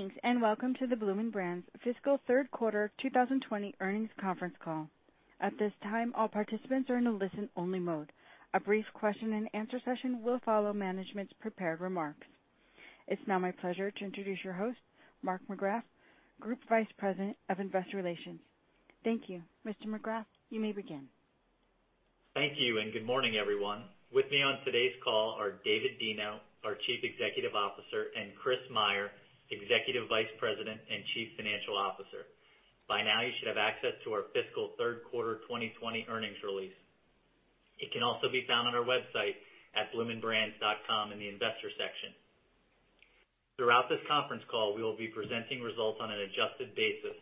Greetings, and welcome to the Bloomin' Brands Fiscal Third Quarter 2020 Earnings Conference Call. At this time, all participants are in a listen-only mode. A brief question and answer session will follow management's prepared remarks. It's now my pleasure to introduce your host, Mark Graff, Group Vice President of Investor Relations. Thank you. Mr. Graff, you may begin. Thank you, and good morning, everyone. With me on today's call are David Deno, our Chief Executive Officer, and Chris Meyer, Executive Vice President and Chief Financial Officer. By now, you should have access to our fiscal third quarter 2020 earnings release. It can also be found on our website at bloominbrands.com in the Investor section. Throughout this conference call, we will be presenting results on an adjusted basis.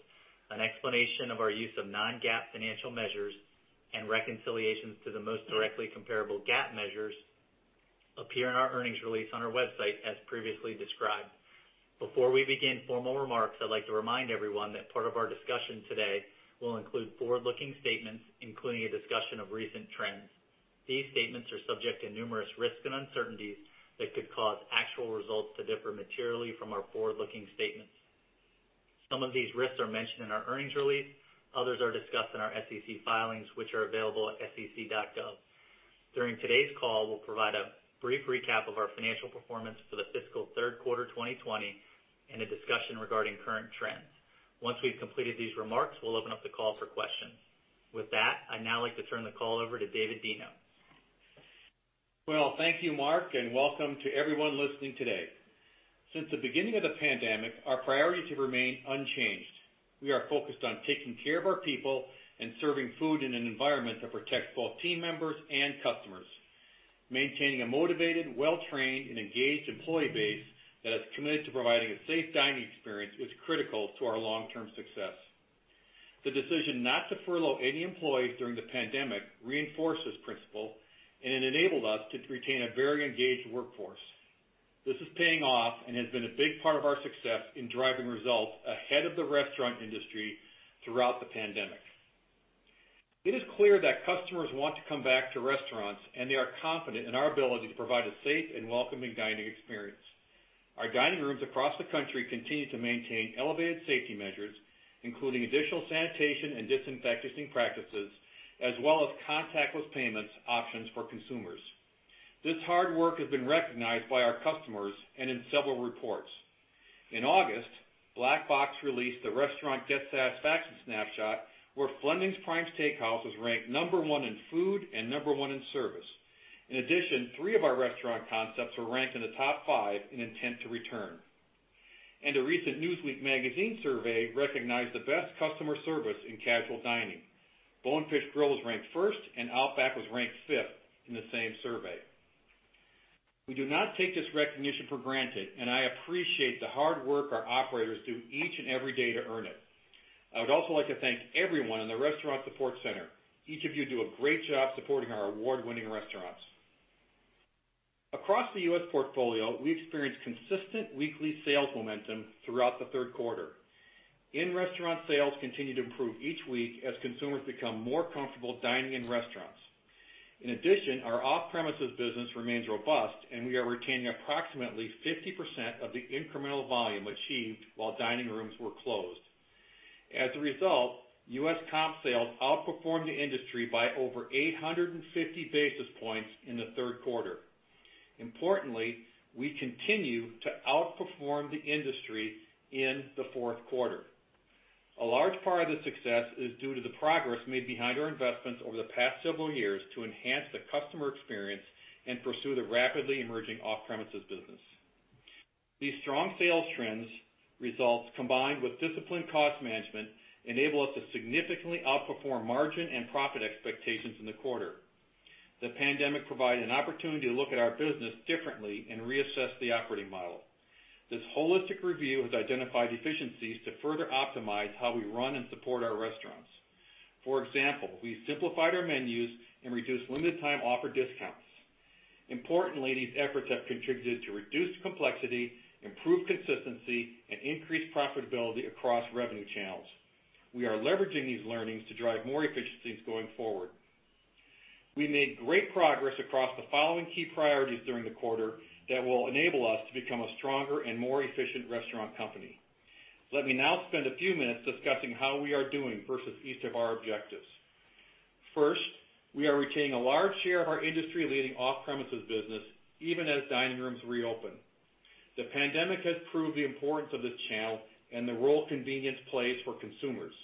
An explanation of our use of non-GAAP financial measures and reconciliations to the most directly comparable GAAP measures appear in our earnings release on our website, as previously described. Before we begin formal remarks, I'd like to remind everyone that part of our discussion today will include forward-looking statements, including a discussion of recent trends. These statements are subject to numerous risks and uncertainties that could cause actual results to differ materially from our forward-looking statements. Some of these risks are mentioned in our earnings release. Others are discussed in our SEC filings, which are available at sec.gov. During today's call, we'll provide a brief recap of our financial performance for the fiscal third quarter 2020 and a discussion regarding current trends. Once we've completed these remarks, we'll open up the call for questions. With that, I'd now like to turn the call over to David Deno. Well, thank you, Mark, and welcome to everyone listening today. Since the beginning of the pandemic, our priorities have remained unchanged. We are focused on taking care of our people and serving food in an environment that protects both team members and customers. Maintaining a motivated, well-trained, and engaged employee base that is committed to providing a safe dining experience is critical to our long-term success. The decision not to furlough any employees during the pandemic reinforced this principle, and it enabled us to retain a very engaged workforce. This is paying off and has been a big part of our success in driving results ahead of the restaurant industry throughout the pandemic. It is clear that customers want to come back to restaurants, and they are confident in our ability to provide a safe and welcoming dining experience. Our dining rooms across the country continue to maintain elevated safety measures, including additional sanitation and disinfecting practices, as well as contactless payments options for consumers. This hard work has been recognized by our customers and in several reports. In August, Black Box released the Restaurant Guest Satisfaction Snapshot, where Fleming's Prime Steakhouse was ranked number one in food and number one in service. In addition, three of our restaurant concepts were ranked in the top five in intent to return. A recent Newsweek magazine survey recognized the best customer service in casual dining. Bonefish Grill was ranked first, and Outback was ranked fifth in the same survey. We do not take this recognition for granted, and I appreciate the hard work our operators do each and every day to earn it. I would also like to thank everyone in the Restaurant Support Center. Each of you do a great job supporting our award-winning restaurants. Across the U.S. portfolio, we experienced consistent weekly sales momentum throughout the third quarter. In-restaurant sales continue to improve each week as consumers become more comfortable dining in restaurants. In addition, our off-premises business remains robust, and we are retaining approximately 50% of the incremental volume achieved while dining rooms were closed. As a result, U.S. comp sales outperformed the industry by over 850 basis points in the third quarter. Importantly, we continue to outperform the industry in the fourth quarter. A large part of this success is due to the progress made behind our investments over the past several years to enhance the customer experience and pursue the rapidly emerging off-premises business. These strong sales trends results, combined with disciplined cost management, enable us to significantly outperform margin and profit expectations in the quarter. The pandemic provided an opportunity to look at our business differently and reassess the operating model. This holistic review has identified efficiencies to further optimize how we run and support our restaurants. For example, we simplified our menus and reduced limited time offer discounts. Importantly, these efforts have contributed to reduced complexity, improved consistency, and increased profitability across revenue channels. We are leveraging these learnings to drive more efficiencies going forward. We made great progress across the following key priorities during the quarter that will enable us to become a stronger and more efficient restaurant company. Let me now spend a few minutes discussing how we are doing versus each of our objectives. First, we are retaining a large share of our industry-leading off-premises business, even as dining rooms reopen. The pandemic has proved the importance of this channel and the role convenience plays for consumers.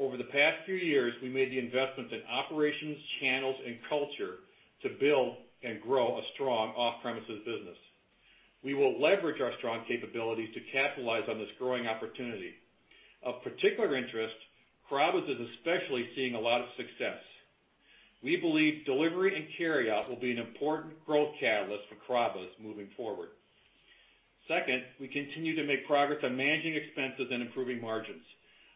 Over the past few years, we made the investments in operations, channels, and culture to build and grow a strong off-premises business. We will leverage our strong capabilities to capitalize on this growing opportunity. Of particular interest, Carrabba's is especially seeing a lot of success. We believe delivery and carryout will be an important growth catalyst for Carrabba's moving forward. Second, we continue to make progress on managing expenses and improving margins.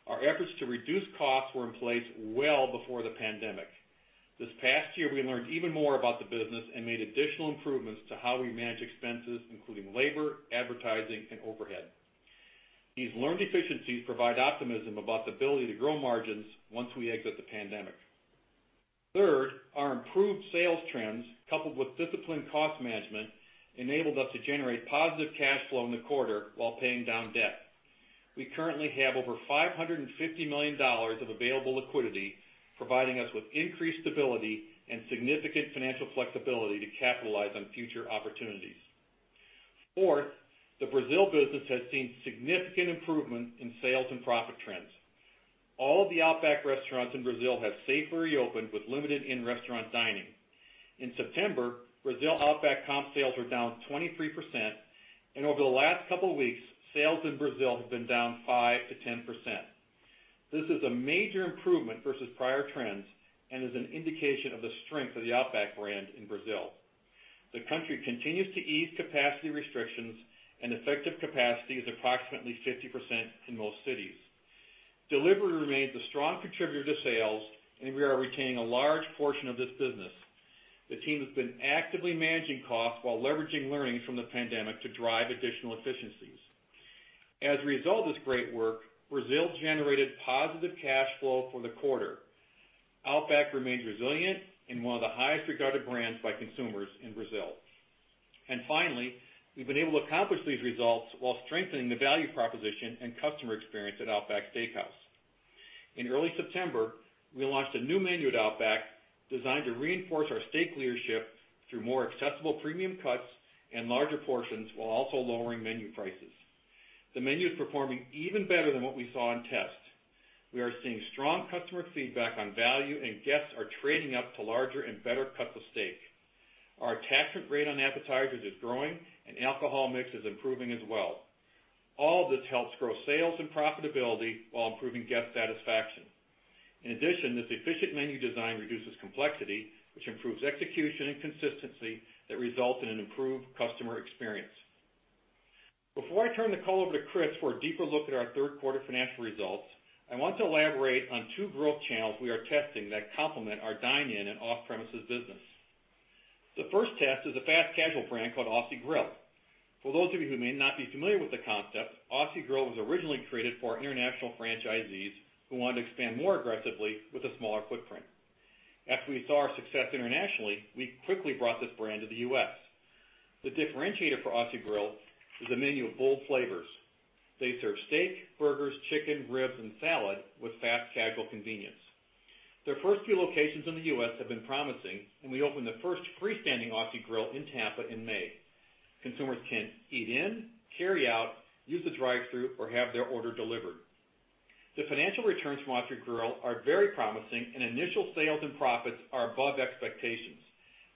Our efforts to reduce costs were in place well before the pandemic. This past year, we learned even more about the business and made additional improvements to how we manage expenses, including labor, advertising, and overhead. These learned efficiencies provide optimism about the ability to grow margins once we exit the pandemic. Third, our improved sales trends, coupled with disciplined cost management, enabled us to generate positive cash flow in the quarter while paying down debt. We currently have over $550 million of available liquidity, providing us with increased stability and significant financial flexibility to capitalize on future opportunities. Fourth, the Brazil business has seen significant improvement in sales and profit trends. All of the Outback restaurants in Brazil have safely reopened with limited in-restaurant dining. In September, Brazil Outback comp sales were down 23%, and over the last couple of weeks, sales in Brazil have been down 5%-10%. This is a major improvement versus prior trends and is an indication of the strength of the Outback brand in Brazil. The country continues to ease capacity restrictions, and effective capacity is approximately 50% in most cities. Delivery remains a strong contributor to sales, and we are retaining a large portion of this business. The team has been actively managing costs while leveraging learnings from the pandemic to drive additional efficiencies. As a result of this great work, Brazil generated positive cash flow for the quarter. Outback remains resilient and one of the highest regarded brands by consumers in Brazil. Finally, we've been able to accomplish these results while strengthening the value proposition and customer experience at Outback Steakhouse. In early September, we launched a new menu at Outback designed to reinforce our steak leadership through more accessible premium cuts and larger portions while also lowering menu prices. The menu is performing even better than what we saw in test. We are seeing strong customer feedback on value, and guests are trading up to larger and better cuts of steak. Our attachment rate on appetizers is growing, and alcohol mix is improving as well. All this helps grow sales and profitability while improving guest satisfaction. In addition, this efficient menu design reduces complexity, which improves execution and consistency that result in an improved customer experience. Before I turn the call over to Chris for a deeper look at our third quarter financial results, I want to elaborate on two growth channels we are testing that complement our dine-in and off-premises business. The first test is a fast casual brand called Aussie Grill. For those of you who may not be familiar with the concept, Aussie Grill was originally created for our international franchisees who wanted to expand more aggressively with a smaller footprint. After we saw our success internationally, we quickly brought this brand to the U.S. The differentiator for Aussie Grill is a menu of bold flavors. They serve steak, burgers, chicken, ribs, and salad with fast casual convenience. Their first few locations in the U.S. have been promising, and we opened the first freestanding Aussie Grill in Tampa in May. Consumers can eat in, carry out, use the drive-through, or have their order delivered. The financial returns from Aussie Grill are very promising, and initial sales and profits are above expectations.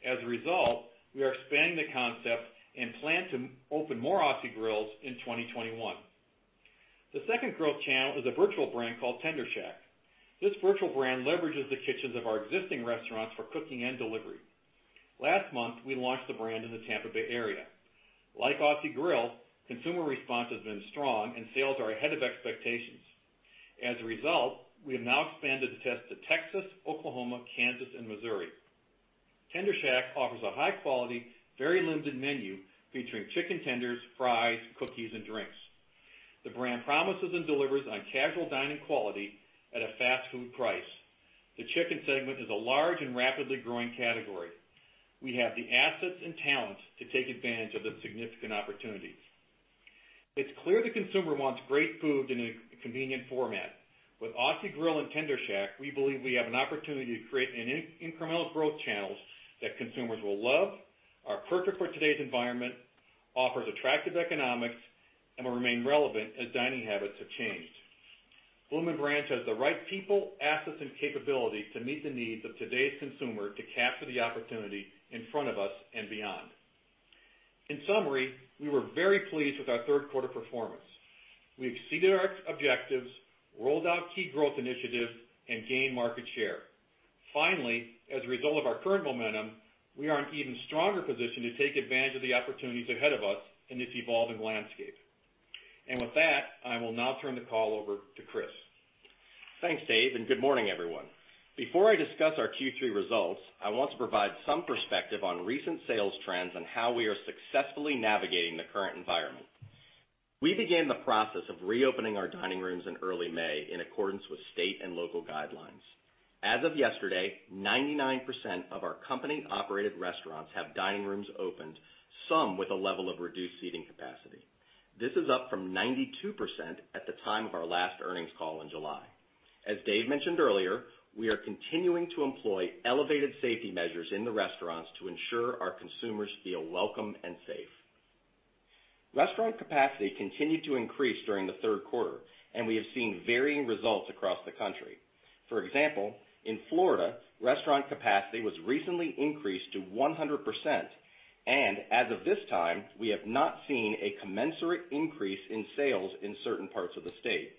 As a result, we are expanding the concept and plan to open more Aussie Grills in 2021. The second growth channel is a virtual brand called Tender Shack. This virtual brand leverages the kitchens of our existing restaurants for cooking and delivery. Last month, we launched the brand in the Tampa Bay area. Like Aussie Grill, consumer response has been strong, and sales are ahead of expectations. As a result, we have now expanded the test to Texas, Oklahoma, Kansas, and Missouri. Tender Shack offers a high-quality, very limited menu featuring chicken tenders, fries, cookies, and drinks. The brand promises and delivers on casual dining quality at a fast food price. The chicken segment is a large and rapidly growing category. We have the assets and talent to take advantage of this significant opportunity. It's clear the consumer wants great food in a convenient format. With Aussie Grill and Tender Shack, we believe we have an opportunity to create incremental growth channels that consumers will love, are perfect for today's environment, offers attractive economics, and will remain relevant as dining habits have changed. Bloomin' Brands has the right people, assets, and capabilities to meet the needs of today's consumer to capture the opportunity in front of us and beyond. In summary, we were very pleased with our third quarter performance. We exceeded our objectives, rolled out key growth initiatives, and gained market share. Finally, as a result of our current momentum, we are in an even stronger position to take advantage of the opportunities ahead of us in this evolving landscape. With that, I will now turn the call over to Chris. Thanks, Dave. Good morning, everyone. Before I discuss our Q3 results, I want to provide some perspective on recent sales trends and how we are successfully navigating the current environment. We began the process of reopening our dining rooms in early May in accordance with state and local guidelines. As of yesterday, 99% of our company-operated restaurants have dining rooms opened, some with a level of reduced seating capacity. This is up from 92% at the time of our last earnings call in July. As Dave mentioned earlier, we are continuing to employ elevated safety measures in the restaurants to ensure our consumers feel welcome and safe. Restaurant capacity continued to increase during the third quarter, and we have seen varying results across the country. For example, in Florida, restaurant capacity was recently increased to 100%, and as of this time, we have not seen a commensurate increase in sales in certain parts of the state.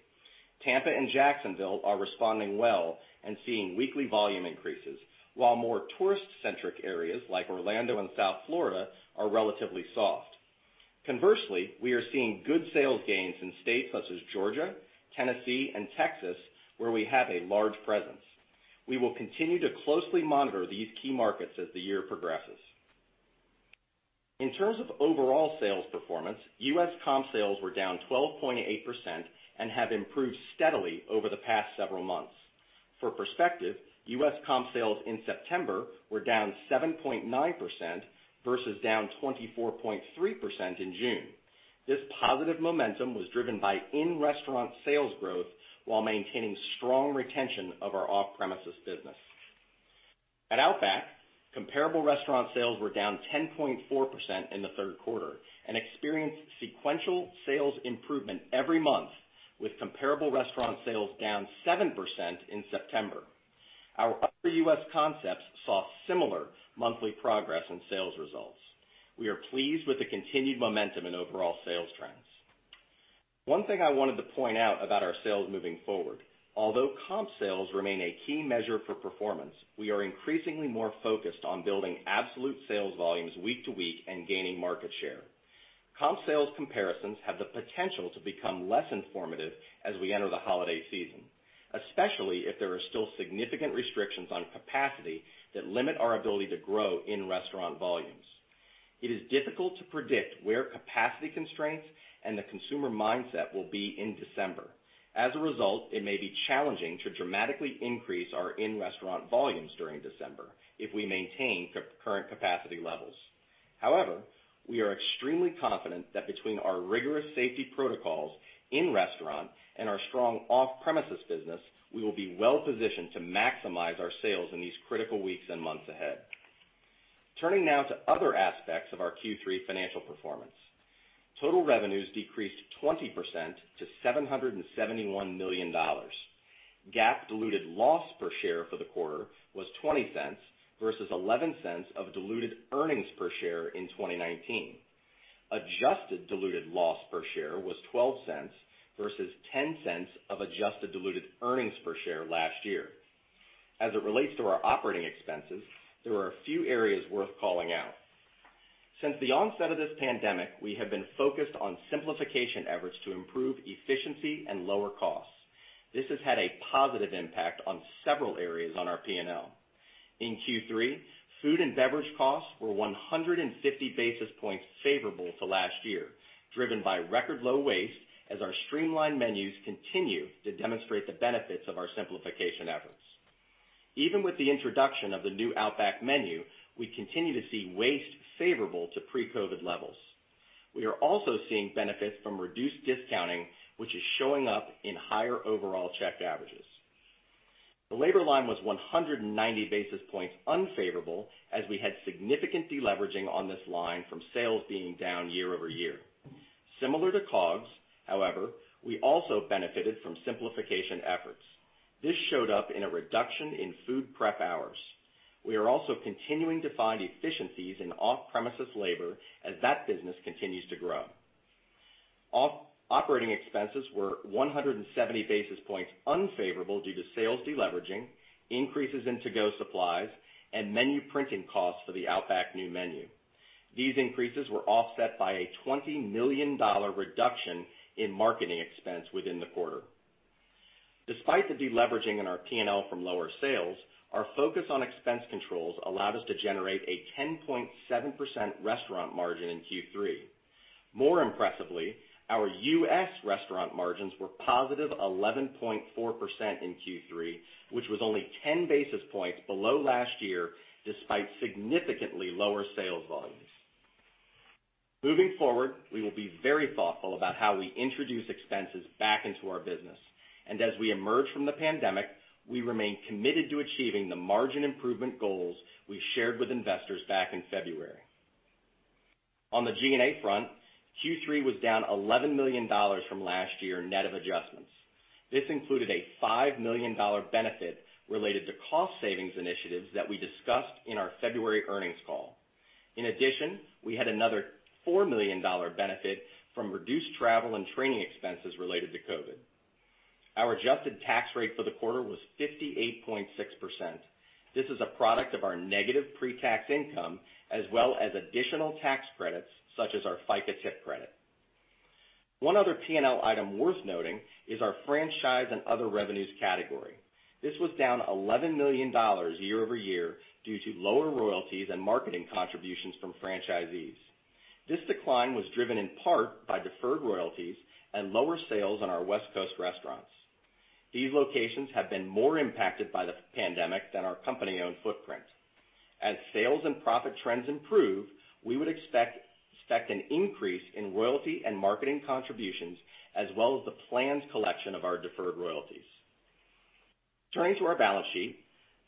Tampa and Jacksonville are responding well and seeing weekly volume increases, while more tourist-centric areas like Orlando and South Florida are relatively soft. Conversely, we are seeing good sales gains in states such as Georgia, Tennessee, and Texas, where we have a large presence. We will continue to closely monitor these key markets as the year progresses. In terms of overall sales performance, U.S. comp sales were down 12.8% and have improved steadily over the past several months. For perspective, U.S. comp sales in September were down 7.9%, versus down 24.3% in June. This positive momentum was driven by in-restaurant sales growth while maintaining strong retention of our off-premises business. At Outback, comparable restaurant sales were down 10.4% in the third quarter and experienced sequential sales improvement every month, with comparable restaurant sales down 7% in September. Our other U.S. concepts saw similar monthly progress in sales results. We are pleased with the continued momentum in overall sales trends. One thing I wanted to point out about our sales moving forward. Although comp sales remain a key measure for performance, we are increasingly more focused on building absolute sales volumes week to week and gaining market share. Comp sales comparisons have the potential to become less informative as we enter the holiday season, especially if there are still significant restrictions on capacity that limit our ability to grow in-restaurant volumes. It is difficult to predict where capacity constraints and the consumer mindset will be in December. As a result, it may be challenging to dramatically increase our in-restaurant volumes during December if we maintain current capacity levels. However, we are extremely confident that between our rigorous safety protocols in-restaurant and our strong off-premises business, we will be well-positioned to maximize our sales in these critical weeks and months ahead. Turning now to other aspects of our Q3 financial performance. Total revenues decreased 20% to $771 million. GAAP diluted loss per share for the quarter was $0.20 versus $0.11 of diluted earnings per share in 2019. Adjusted diluted loss per share was $0.12 versus $0.10 of adjusted diluted earnings per share last year. As it relates to our operating expenses, there are a few areas worth calling out. Since the onset of this pandemic, we have been focused on simplification efforts to improve efficiency and lower costs. This has had a positive impact on several areas on our P&L. In Q3, food and beverage costs were 150 basis points favorable to last year, driven by record low waste as our streamlined menus continue to demonstrate the benefits of our simplification efforts. Even with the introduction of the new Outback menu, we continue to see waste favorable to pre-COVID levels. We are also seeing benefits from reduced discounting, which is showing up in higher overall check averages. The labor line was 190 basis points unfavorable as we had significant deleveraging on this line from sales being down year-over-year. Similar to COGS, however, we also benefited from simplification efforts. This showed up in a reduction in food prep hours. We are also continuing to find efficiencies in off-premises labor as that business continues to grow. Operating expenses were 170 basis points unfavorable due to sales deleveraging, increases in to-go supplies, and menu printing costs for the Outback new menu. These increases were offset by a $20 million reduction in marketing expense within the quarter. Despite the deleveraging in our P&L from lower sales, our focus on expense controls allowed us to generate a 10.7% restaurant margin in Q3. More impressively, our U.S. restaurant margins were positive 11.4% in Q3, which was only 10 basis points below last year, despite significantly lower sales volumes. Moving forward, we will be very thoughtful about how we introduce expenses back into our business. As we emerge from the pandemic, we remain committed to achieving the margin improvement goals we shared with investors back in February. On the G&A front, Q3 was down $11 million from last year, net of adjustments. This included a $5 million benefit related to cost savings initiatives that we discussed in our February earnings call. In addition, we had another $4 million benefit from reduced travel and training expenses related to COVID. Our adjusted tax rate for the quarter was 58.6%. This is a product of our negative pre-tax income as well as additional tax credits such as our FICA Tip Credit. One other P&L item worth noting is our franchise and other revenues category. This was down $11 million year-over-year due to lower royalties and marketing contributions from franchisees. This decline was driven in part by deferred royalties and lower sales on our West Coast restaurants. These locations have been more impacted by the pandemic than our company-owned footprint. As sales and profit trends improve, we would expect an increase in royalty and marketing contributions, as well as the planned collection of our deferred royalties. Turning to our balance sheet.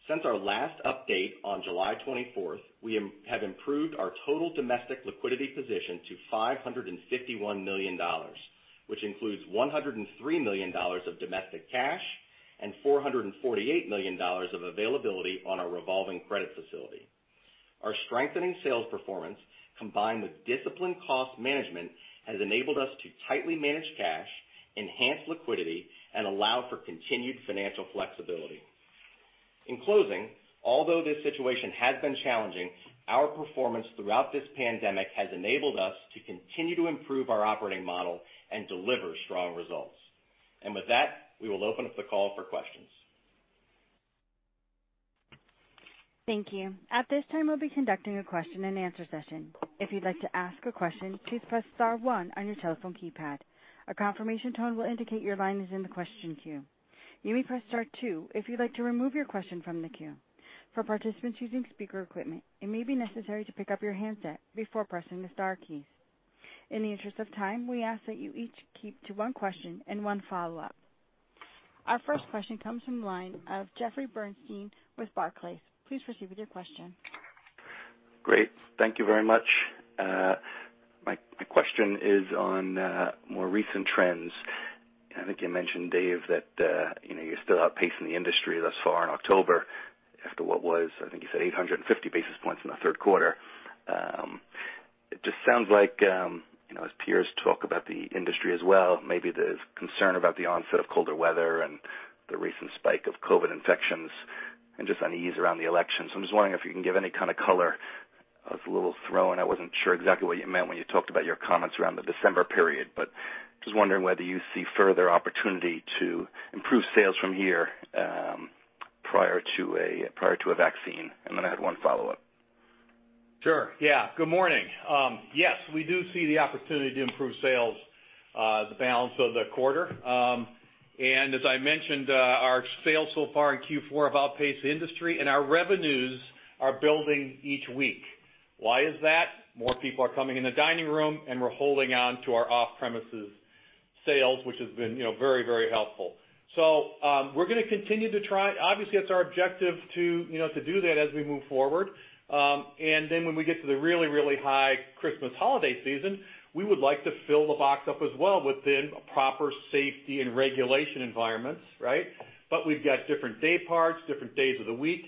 Since our last update on July 24th, we have improved our total domestic liquidity position to $551 million, which includes $103 million of domestic cash and $448 million of availability on our revolving credit facility. Our strengthening sales performance, combined with disciplined cost management, has enabled us to tightly manage cash, enhance liquidity, and allow for continued financial flexibility. In closing, although this situation has been challenging, our performance throughout this pandemic has enabled us to continue to improve our operating model and deliver strong results. With that, we will open up the call for questions. Thank you. At this time, we'll be conducting a question and answer session. If you'd like to ask a question, please press star one on your telephone keypad. A confirmation tone will indicate your line is in the question queue. You may press star two if you'd like to remove your question from the queue. For participants using speaker equipment, it may be necessary to pick up your handset before pressing the star keys. In the interest of time, we ask that you each keep to one question and one follow-up. Our first question comes from the line of Jeffrey Bernstein with Barclays. Please proceed with your question. Great. Thank you very much. My question is on more recent trends. I think you mentioned, Dave, that you're still out pacing the industry thus far in October after what was, I think you said 850 basis points in the third quarter. It just sounds like, as peers talk about the industry as well, maybe there's concern about the onset of colder weather and the recent spike of COVID infections and just unease around the election. I'm just wondering if you can give any kind of color. I was a little thrown. I wasn't sure exactly what you meant when you talked about your comments around the December period, but just wondering whether you see further opportunity to improve sales from here prior to a vaccine. Then I had one follow-up. Sure. Yeah. Good morning. Yes, we do see the opportunity to improve sales the balance of the quarter. As I mentioned, our sales so far in Q4 have outpaced the industry, and our revenues are building each week. Why is that? More people are coming in the dining room, and we're holding on to our off-premises sales, which has been very helpful. We're going to continue to try. Obviously, it's our objective to do that as we move forward. When we get to the really high Christmas holiday season, we would like to fill the box up as well within proper safety and regulation environments, right? We've got different dayparts, different days of the week,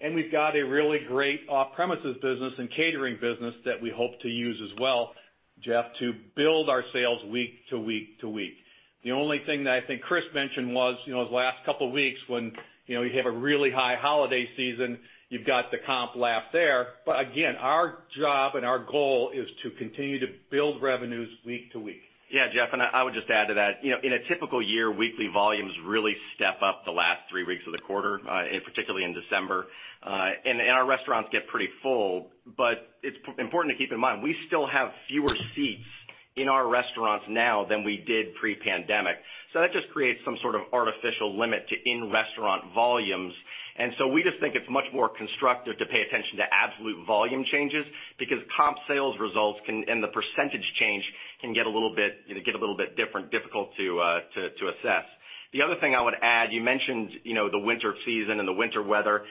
and we've got a really great off-premises business and catering business that we hope to use as well, Jeff, to build our sales week to week to week. The only thing that I think Chris mentioned was those last couple of weeks when you have a really high holiday season, you've got the comp lap there. Again, our job and our goal is to continue to build revenues week to week. Yeah, Jeff, I would just add to that. In a typical year, weekly volumes really step up the last three weeks of the quarter, and particularly in December. Our restaurants get pretty full, but it's important to keep in mind, we still have fewer seats in our restaurants now than we did pre-pandemic. That just creates some sort of artificial limit to in-restaurant volumes. We just think it's much more constructive to pay attention to absolute volume changes because comp sales results and the percentage change can get a little bit different, difficult to assess. The other thing I would add, you mentioned the winter season and the winter weather.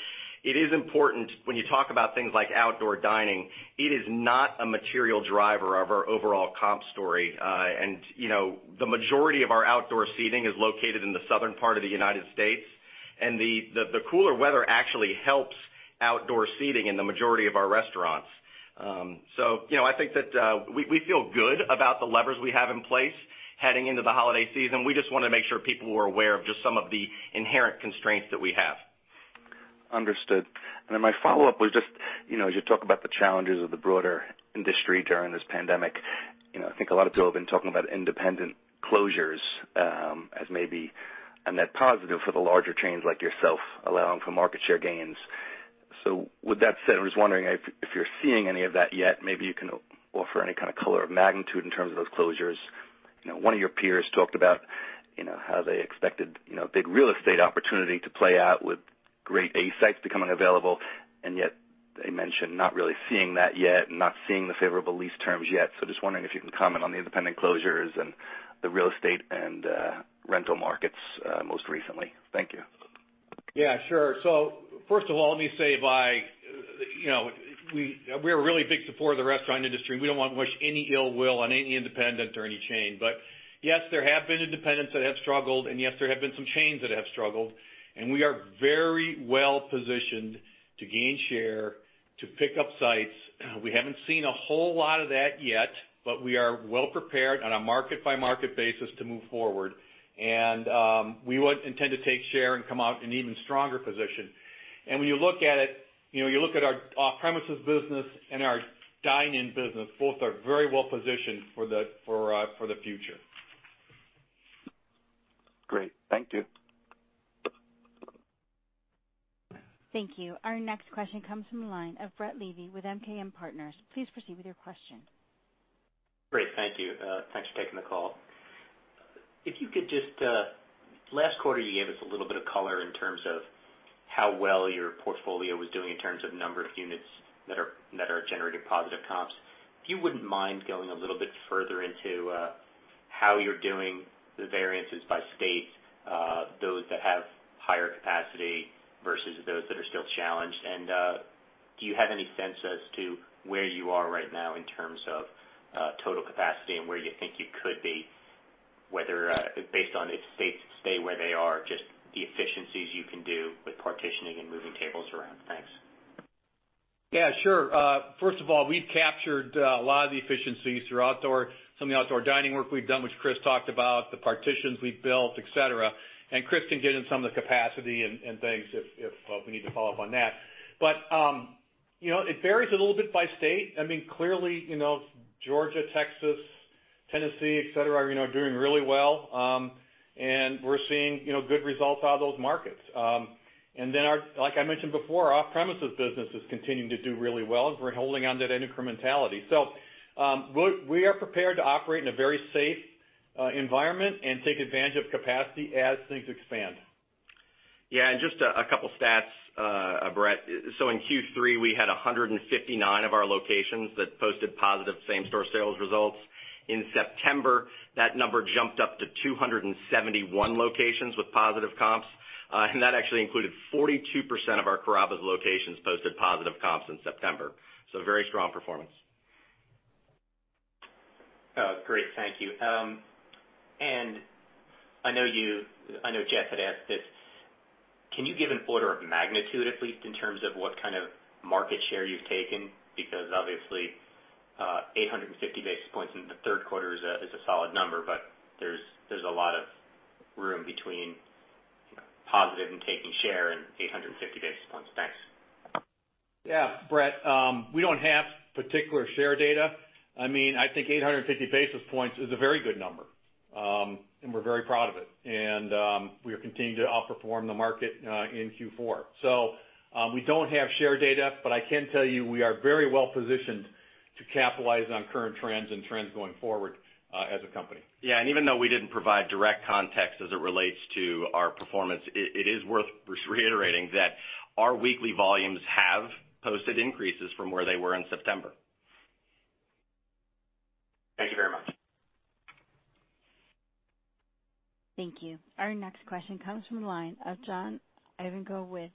It is important when you talk about things like outdoor dining, it is not a material driver of our overall comp story. The majority of our outdoor seating is located in the southern part of the United States, and the cooler weather actually helps outdoor seating in the majority of our restaurants. I think that we feel good about the levers we have in place heading into the holiday season. We just want to make sure people were aware of just some of the inherent constraints that we have. Understood. Then my follow-up was just as you talk about the challenges of the broader industry during this pandemic, I think a lot of people have been talking about independent closures as maybe a net positive for the larger chains like yourself, allowing for market share gains. With that said, I was wondering if you're seeing any of that yet. Maybe you can offer any kind of color of magnitude in terms of those closures. One of your peers talked about how they expected a big real estate opportunity to play out with Grade A sites becoming available, and yet they mentioned not really seeing that yet and not seeing the favorable lease terms yet. Just wondering if you can comment on the independent closures and the real estate and rental markets most recently. Thank you. Yeah, sure. First of all, let me say we are really big supporter of the restaurant industry, and we don't want to wish any ill will on any independent or any chain. Yes, there have been independents that have struggled, and yes, there have been some chains that have struggled, and we are very well positioned to gain share, to pick up sites. We haven't seen a whole lot of that yet, but we are well prepared on a market-by-market basis to move forward. We would intend to take share and come out in even stronger position. When you look at it, you look at our off-premises business and our dine-in business, both are very well positioned for the future. Great. Thank you. Thank you. Our next question comes from the line of Brett Levy with MKM Partners. Please proceed with your question. Great. Thank you. Thanks for taking the call. Last quarter, you gave us a little bit of color in terms of how well your portfolio was doing in terms of number of units that are generating positive comps. If you wouldn't mind going a little bit further into how you're doing the variances by states, those that have higher capacity versus those that are still challenged. Do you have any sense as to where you are right now in terms of total capacity and where you think you could be, whether based on if states stay where they are, just the efficiencies you can do with partitioning and moving tables around. Thanks. Yeah, sure. First of all, we've captured a lot of the efficiencies through some of the outdoor dining work we've done, which Chris talked about, the partitions we've built, et cetera. Chris can get in some of the capacity and things if we need to follow up on that. It varies a little bit by state. Clearly, Georgia, Texas, Tennessee, et cetera, are doing really well. We're seeing good results out of those markets. Our, like I mentioned before, our off-premises business is continuing to do really well, and we're holding on to that incrementality. We are prepared to operate in a very safe environment and take advantage of capacity as things expand. Yeah, just a couple stats, Brett. In Q3, we had 159 of our locations that posted positive same-store sales results. In September, that number jumped up to 271 locations with positive comps. That actually included 42% of our Carrabba's locations posted positive comps in September. Very strong performance. Oh, great. Thank you. I know Jeff had asked this, can you give an order of magnitude, at least, in terms of what kind of market share you've taken? Because obviously, 850 basis points in the third quarter is a solid number, but there's a lot of room between positive and taking share and 850 basis points. Thanks. Yeah. Brett, we don't have particular share data. I think 850 basis points is a very good number. We're very proud of it. We are continuing to outperform the market in Q4. We don't have share data, but I can tell you we are very well positioned to capitalize on current trends and trends going forward, as a company. Yeah, even though we didn't provide direct context as it relates to our performance, it is worth reiterating that our weekly volumes have posted increases from where they were in September. Thank you very much. Thank you. Our next question comes from the line of John Ivankoe with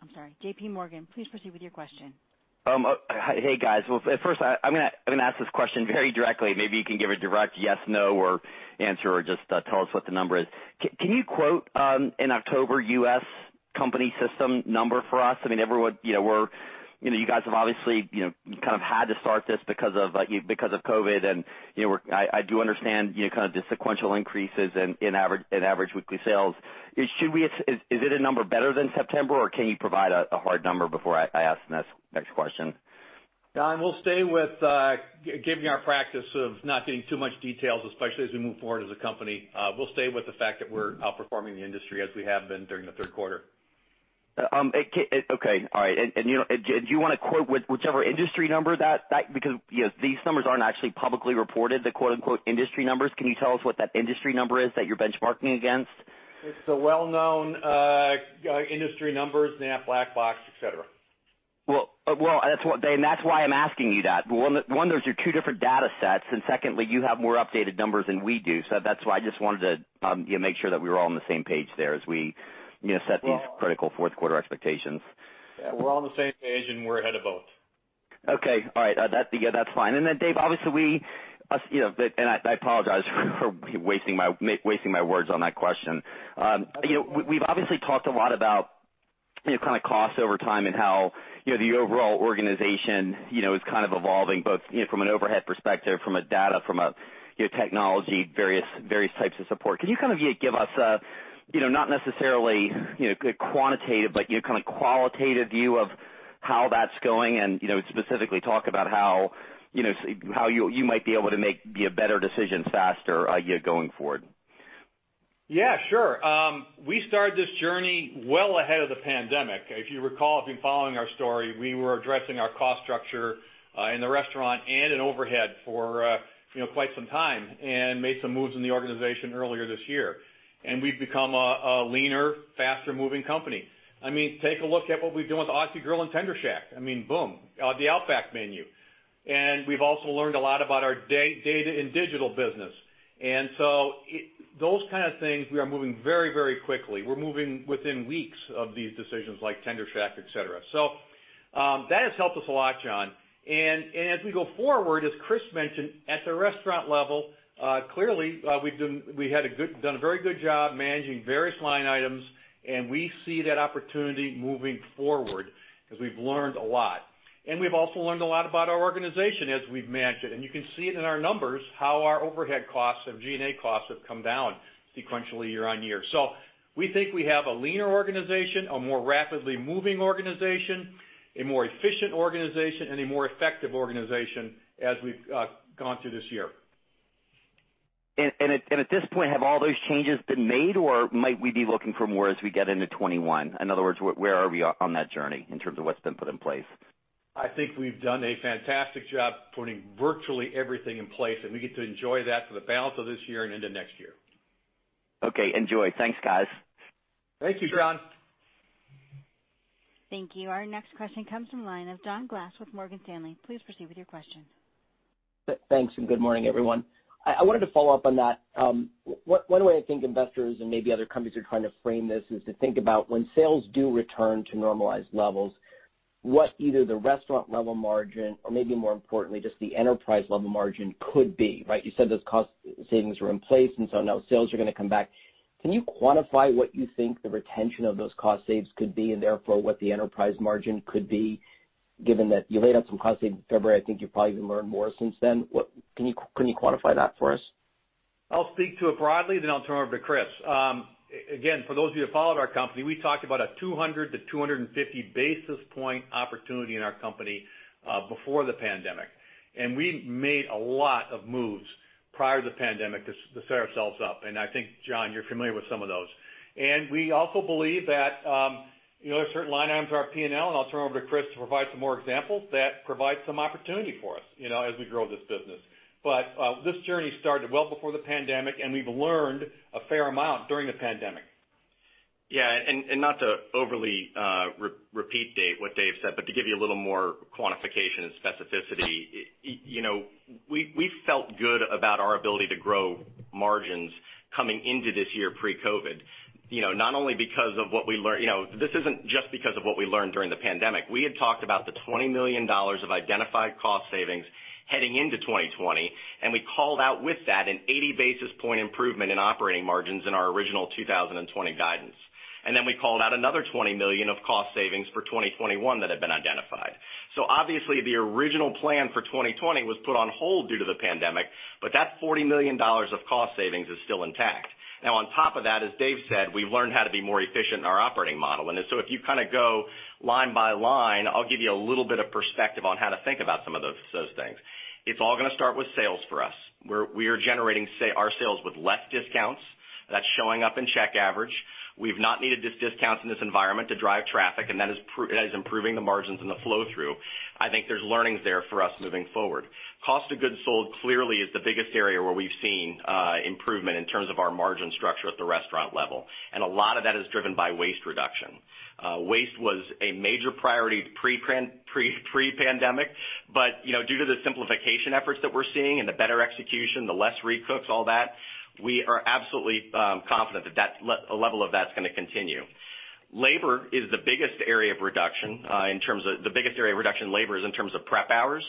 I'm sorry, J.P. Morgan. Please proceed with your question. Hey, guys. Well, first, I'm going to ask this question very directly. Maybe you can give a direct yes, no answer or just tell us what the number is. Can you quote an October U.S. company system number for us? You guys have obviously, kind of had to start this because of COVID and I do understand the sequential increases in average weekly sales. Is it a number better than September, or can you provide a hard number before I ask the next question? John, given our practice of not giving too much details, especially as we move forward as a company, we'll stay with the fact that we're outperforming the industry as we have been during the third quarter. Okay. All right. Do you want to quote whichever industry number? Because these numbers aren't actually publicly reported, the quote-unquote, "industry numbers." Can you tell us what that industry number is that you're benchmarking against? It's the well-known industry numbers, Knapp, Black Box, et cetera. Well, that's why I'm asking you that. One, those are two different data sets. Secondly, you have more updated numbers than we do. That's why I just wanted to make sure that we were all on the same page there as we set these critical fourth quarter expectations. Yeah, we're all on the same page, and we're ahead of both. Okay. All right. That's fine. Dave, obviously, I apologize for wasting my words on that question. We've obviously talked a lot about costs over time and how the overall organization is evolving, both from an overhead perspective, from a data, from a technology, various types of support. Can you give us a, not necessarily a quantitative, but kind of qualitative view of how that's going and specifically talk about how you might be able to make better decisions faster a year going forward? Yeah, sure. We started this journey well ahead of the pandemic. If you recall, if you're following our story, we were addressing our cost structure in the restaurant and in overhead for quite some time and made some moves in the organization earlier this year. We've become a leaner, faster-moving company. Take a look at what we've done with Aussie Grill and Tender Shack. Boom. The Outback menu. We've also learned a lot about our data and digital business. Those kind of things, we are moving very quickly. We're moving within weeks of these decisions, like Tender Shack, et cetera. That has helped us a lot, John. As we go forward, as Chris mentioned, at the restaurant level, clearly, we had done a very good job managing various line items, and we see that opportunity moving forward because we've learned a lot. We've also learned a lot about our organization as we've managed it. You can see it in our numbers, how our overhead costs and G&A costs have come down sequentially year-over-year. We think we have a leaner organization, a more rapidly moving organization, a more efficient organization, and a more effective organization as we've gone through this year. At this point, have all those changes been made, or might we be looking for more as we get into 2021? In other words, where are we on that journey in terms of what's been put in place? I think we've done a fantastic job putting virtually everything in place, and we get to enjoy that for the balance of this year and into next year. Okay, enjoy. Thanks, guys. Thank you, John. Thank you. Our next question comes from the line of John Glass with Morgan Stanley. Please proceed with your question. Thanks. Good morning, everyone. I wanted to follow up on that. One way I think investors and maybe other companies are trying to frame this is to think about when sales do return to normalized levels, what either the restaurant level margin or maybe more importantly, just the enterprise level margin could be, right? You said those cost savings were in place. Now sales are going to come back. Can you quantify what you think the retention of those cost saves could be and therefore what the enterprise margin could be, given that you laid out some cost saves in February, I think you've probably even learned more since then. Can you quantify that for us? I'll speak to it broadly, then I'll turn it over to Chris. Again, for those of you that followed our company, we talked about a 200-250 basis point opportunity in our company before the pandemic. We made a lot of moves prior to the pandemic to set ourselves up. I think, John, you're familiar with some of those. We also believe that there are certain line items in our P&L, and I'll turn over to Chris to provide some more examples that provide some opportunity for us as we grow this business. This journey started well before the pandemic, and we've learned a fair amount during the pandemic. Yeah. Not to overly repeat what Dave said, but to give you a little more quantification and specificity. We felt good about our ability to grow margins coming into this year pre-COVID. This isn't just because of what we learned during the pandemic. We had talked about the $20 million of identified cost savings heading into 2020, and we called out with that an 80 basis point improvement in operating margins in our original 2020 guidance. We called out another $20 million of cost savings for 2021 that had been identified. Obviously the original plan for 2020 was put on hold due to the pandemic, but that $40 million of cost savings is still intact. On top of that, as Dave said, we've learned how to be more efficient in our operating model. If you go line by line, I'll give you a little bit of perspective on how to think about some of those things. It's all going to start with sales for us. We are generating our sales with less discounts. That's showing up in check average. We've not needed discounts in this environment to drive traffic, and that is improving the margins and the flow-through. I think there's learnings there for us moving forward. Cost of goods sold clearly is the biggest area where we've seen improvement in terms of our margin structure at the restaurant level, and a lot of that is driven by waste reduction. Waste was a major priority pre-pandemic, but due to the simplification efforts that we're seeing and the better execution, the less recooks, all that, we are absolutely confident that a level of that's going to continue. Labor is the biggest area of reduction. The biggest area of reduction in labor is in terms of prep hours,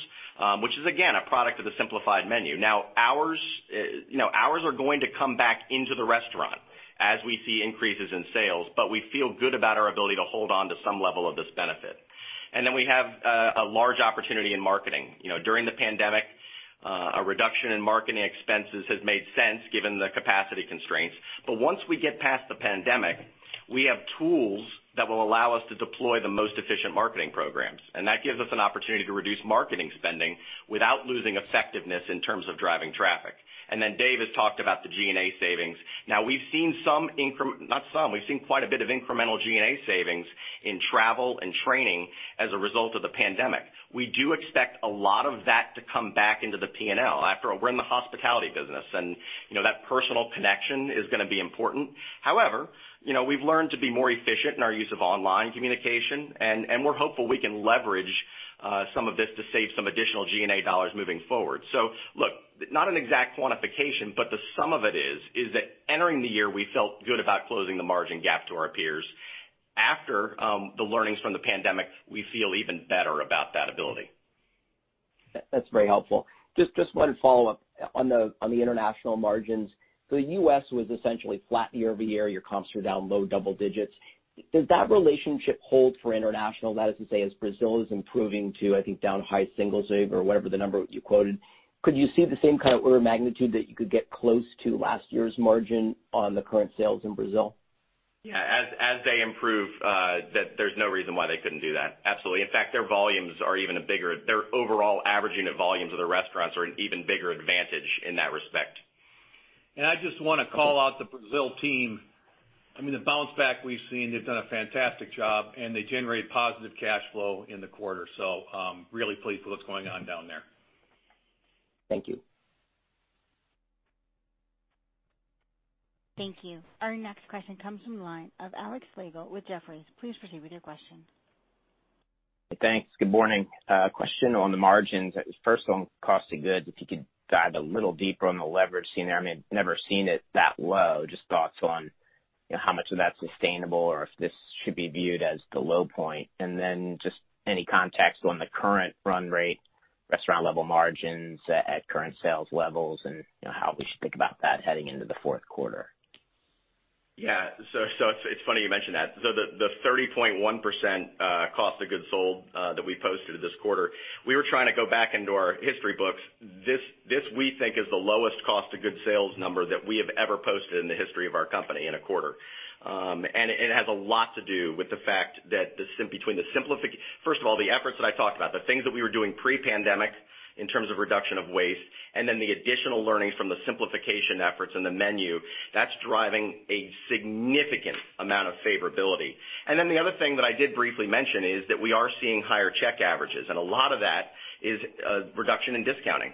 which is again, a product of the simplified menu. Hours are going to come back into the restaurant as we see increases in sales, but we feel good about our ability to hold on to some level of this benefit. We have a large opportunity in marketing. During the pandemic, a reduction in marketing expenses has made sense given the capacity constraints. Once we get past the pandemic, we have tools that will allow us to deploy the most efficient marketing programs, and that gives us an opportunity to reduce marketing spending without losing effectiveness in terms of driving traffic. Dave has talked about the G&A savings. We've seen quite a bit of incremental G&A savings in travel and training as a result of the pandemic. We do expect a lot of that to come back into the P&L. After all, we're in the hospitality business, and that personal connection is going to be important. However, we've learned to be more efficient in our use of online communication, and we're hopeful we can leverage some of this to save some additional G&A dollars moving forward. Look, not an exact quantification, but the sum of it is that entering the year, we felt good about closing the margin gap to our peers. After the learnings from the pandemic, we feel even better about that ability. That's very helpful. Just one follow-up on the international margins. The U.S. was essentially flat year-over-year. Your comps were down low double digits. Does that relationship hold for international? That is to say, as Brazil is improving to, I think, down high singles or whatever the number you quoted, could you see the same kind of order of magnitude that you could get close to last year's margin on the current sales in Brazil? Yeah. As they improve, there's no reason why they couldn't do that. Absolutely. In fact, their overall average unit volumes of the restaurants are an even bigger advantage in that respect. I just want to call out the Brazil team. I mean, the bounce back we've seen, they've done a fantastic job, and they generated positive cash flow in the quarter. Really pleased with what's going on down there. Thank you. Thank you. Our next question comes from the line of Alex Slagle with Jefferies. Please proceed with your question. Thanks. Good morning. A question on the margins. First on cost of goods, if you could dive a little deeper on the leverage seen there. I mean, I've never seen it that low. Just thoughts on how much of that's sustainable or if this should be viewed as the low point. Then just any context on the current run rate, restaurant level margins at current sales levels, and how we should think about that heading into the fourth quarter. Yeah. It's funny you mention that. The 30.1% cost of goods sold that we posted this quarter, we were trying to go back into our history books. This, we think, is the lowest cost of goods sold number that we have ever posted in the history of our company in a quarter. It has a lot to do with the fact that between, first of all, the efforts that I talked about, the things that we were doing pre-pandemic in terms of reduction of waste, and then the additional learnings from the simplification efforts in the menu. That's driving a significant amount of favorability. Then the other thing that I did briefly mention is that we are seeing higher check averages, and a lot of that is a reduction in discounting.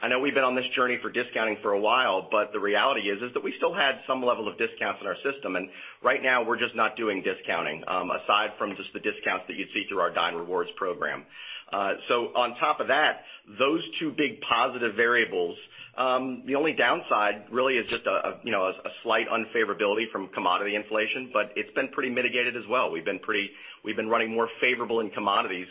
I know we've been on this journey for discounting for a while, but the reality is that we still had some level of discounts in our system, and right now we're just not doing discounting, aside from just the discounts that you'd see through our Dine Rewards program. On top of that, those two big positive variables, the only downside really is just a slight unfavorability from commodity inflation, but it's been pretty mitigated as well. We've been running more favorable in commodities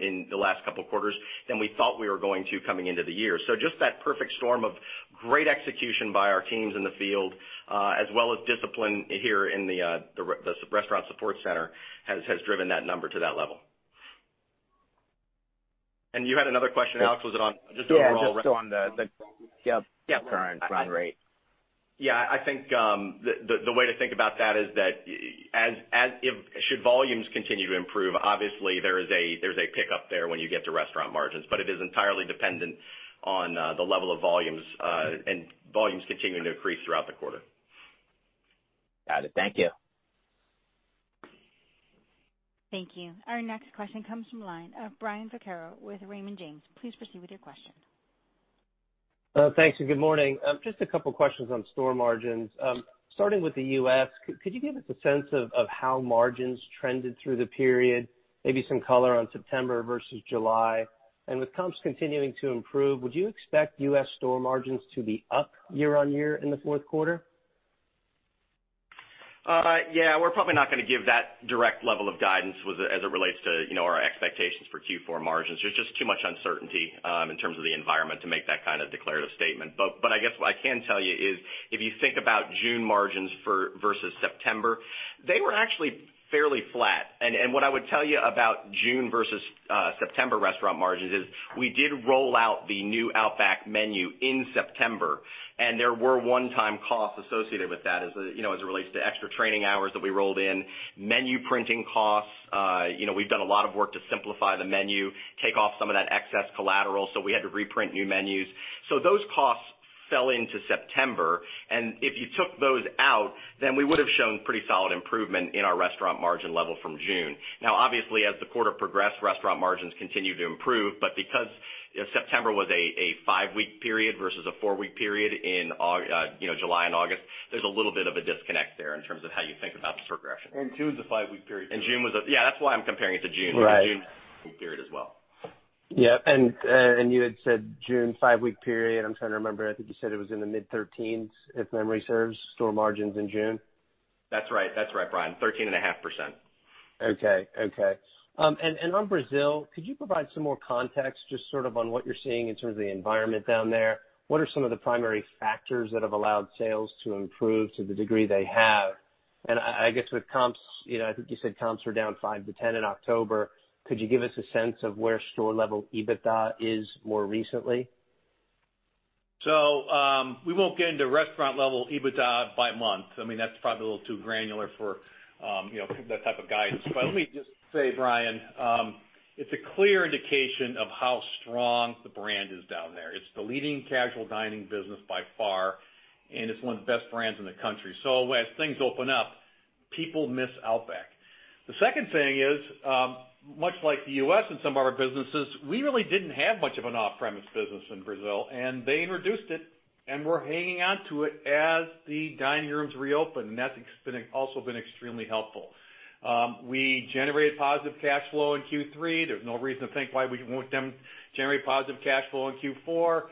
in the last couple of quarters than we thought we were going to coming into the year. Just that perfect storm of great execution by our teams in the field, as well as discipline here in the Restaurant Support Center has driven that number to that level. You had another question, Alex, was it on just overall restaurant- Yeah, just on the current run rate. Yeah. I think the way to think about that is that should volumes continue to improve, obviously there's a pickup there when you get to restaurant margins, but it is entirely dependent on the level of volumes, and volumes continuing to increase throughout the quarter. Got it. Thank you. Thank you. Our next question comes from the line of Brian Vaccaro with Raymond James. Please proceed with your question. Thanks. Good morning. Just a couple of questions on store margins. Starting with the U.S., could you give us a sense of how margins trended through the period, maybe some color on September versus July? With comps continuing to improve, would you expect U.S. store margins to be up year-on-year in the fourth quarter? Yeah, we're probably not going to give that direct level of guidance as it relates to our expectations for Q4 margins. There's just too much uncertainty in terms of the environment to make that kind of declarative statement. I guess what I can tell you is, if you think about June margins versus September, they were actually fairly flat. What I would tell you about June versus September restaurant margins is we did roll out the new Outback menu in September, and there were one-time costs associated with that as it relates to extra training hours that we rolled in, menu printing costs. We've done a lot of work to simplify the menu, take off some of that excess collateral, we had to reprint new menus. Those costs fell into September, and if you took those out, then we would have shown pretty solid improvement in our restaurant margin level from June. Obviously, as the quarter progressed, restaurant margins continued to improve. Because September was a five-week period versus a four-week period in July and August, there's a little bit of a disconnect there in terms of how you think about the progression. June's a five-week period too. Yeah, that's why I'm comparing it to June. Right. June is a five-week period as well. Yeah. You had said June, five-week period. I'm trying to remember. I think you said it was in the mid-13s, if memory serves, store margins in June? That's right, Brian. 13.5%. Okay. On Brazil, could you provide some more context just sort of on what you're seeing in terms of the environment down there? What are some of the primary factors that have allowed sales to improve to the degree they have? I guess with comps, I think you said comps were down 5-10 in October. Could you give us a sense of where store-level EBITDA is more recently? We won't get into restaurant-level EBITDA by month. That's probably a little too granular for that type of guidance. Let me just say, Brian, it's a clear indication of how strong the brand is down there. It's the leading casual dining business by far, and it's one of the best brands in the country. As things open up, people miss Outback. The second thing is, much like the U.S. and some of our businesses, we really didn't have much of an off-premise business in Brazil, and they introduced it and were hanging on to it as the dining rooms reopened, and that's also been extremely helpful. We generated positive cash flow in Q3. There's no reason to think why we won't then generate positive cash flow in Q4.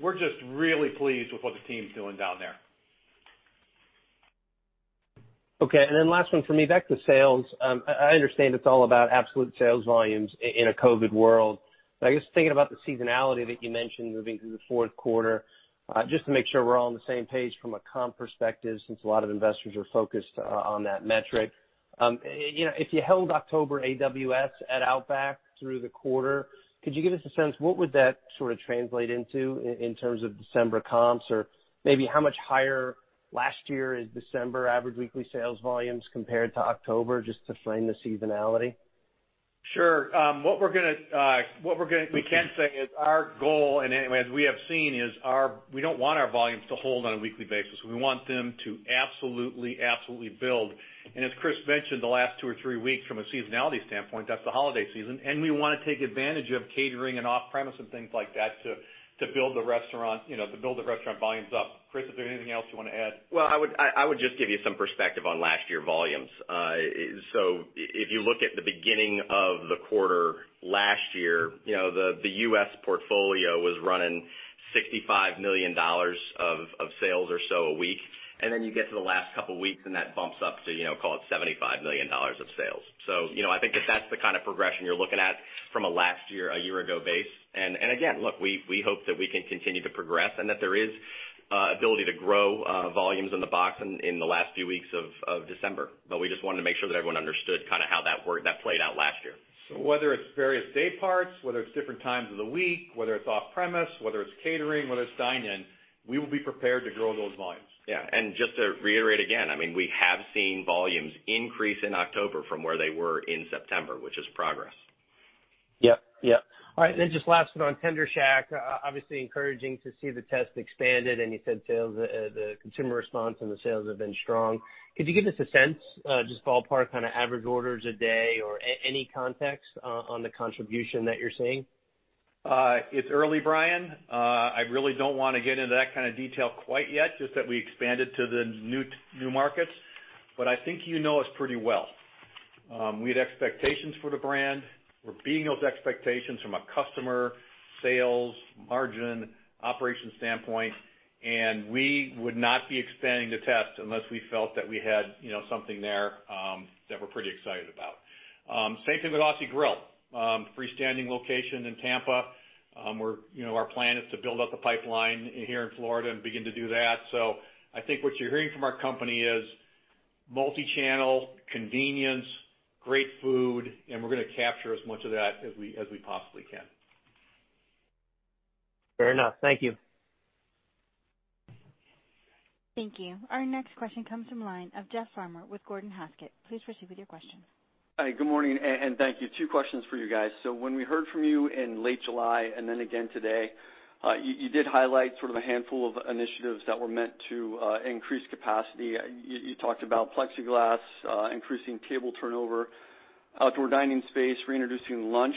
We're just really pleased with what the team's doing down there. Okay. Last one for me. Back to sales. I understand it's all about absolute sales volumes in a COVID world, but I guess thinking about the seasonality that you mentioned moving through the fourth quarter, just to make sure we're all on the same page from a comp perspective, since a lot of investors are focused on that metric. If you held October AWS at Outback through the quarter, could you give us a sense, what would that sort of translate into in terms of December comps? Maybe how much higher last year is December average weekly sales volumes compared to October, just to frame the seasonality? Sure. What we can say is our goal, and as we have seen, is we don't want our volumes to hold on a weekly basis. We want them to absolutely build. As Chris mentioned, the last two or three weeks from a seasonality standpoint, that's the holiday season, we want to take advantage of catering and off-premise and things like that to build the restaurant volumes up. Chris, is there anything else you want to add? Well, I would just give you some perspective on last year volumes. If you look at the beginning of the quarter last year, the U.S. portfolio was running $65 million of sales or so a week, and then you get to the last couple of weeks, and that bumps up to, call it, $75 million of sales. I think that that's the kind of progression you're looking at from a last year, a year ago base. Again, look, we hope that we can continue to progress and that there is ability to grow volumes in the box in the last few weeks of December. We just wanted to make sure that everyone understood how that played out last year. Whether it's various dayparts, whether it's different times of the week, whether it's off-premise, whether it's catering, whether it's dine-in, we will be prepared to grow those volumes. Yeah. Just to reiterate again, we have seen volumes increase in October from where they were in September, which is progress. Yep. All right, just last one on Tender Shack. Obviously encouraging to see the test expanded, and you said the consumer response and the sales have been strong. Could you give us a sense, just ballpark kind of average orders a day or any context on the contribution that you're seeing? It's early, Brian. I really don't want to get into that kind of detail quite yet, just that we expanded to the new markets. I think you know us pretty well. We had expectations for the brand. We're beating those expectations from a customer, sales, margin, operations standpoint, and we would not be expanding the test unless we felt that we had something there that we're pretty excited about. Same thing with Aussie Grill. Freestanding location in Tampa. Our plan is to build out the pipeline here in Florida and begin to do that. I think what you're hearing from our company is multi-channel convenience, great food, and we're going to capture as much of that as we possibly can. Fair enough. Thank you. Thank you. Our next question comes from line of Jeff Farmer with Gordon Haskett. Please proceed with your question. Hi, good morning, and thank you. Two questions for you guys. When we heard from you in late July, and then again today, you did highlight sort of a handful of initiatives that were meant to increase capacity. You talked about plexiglass, increasing table turnover, outdoor dining space, reintroducing lunch.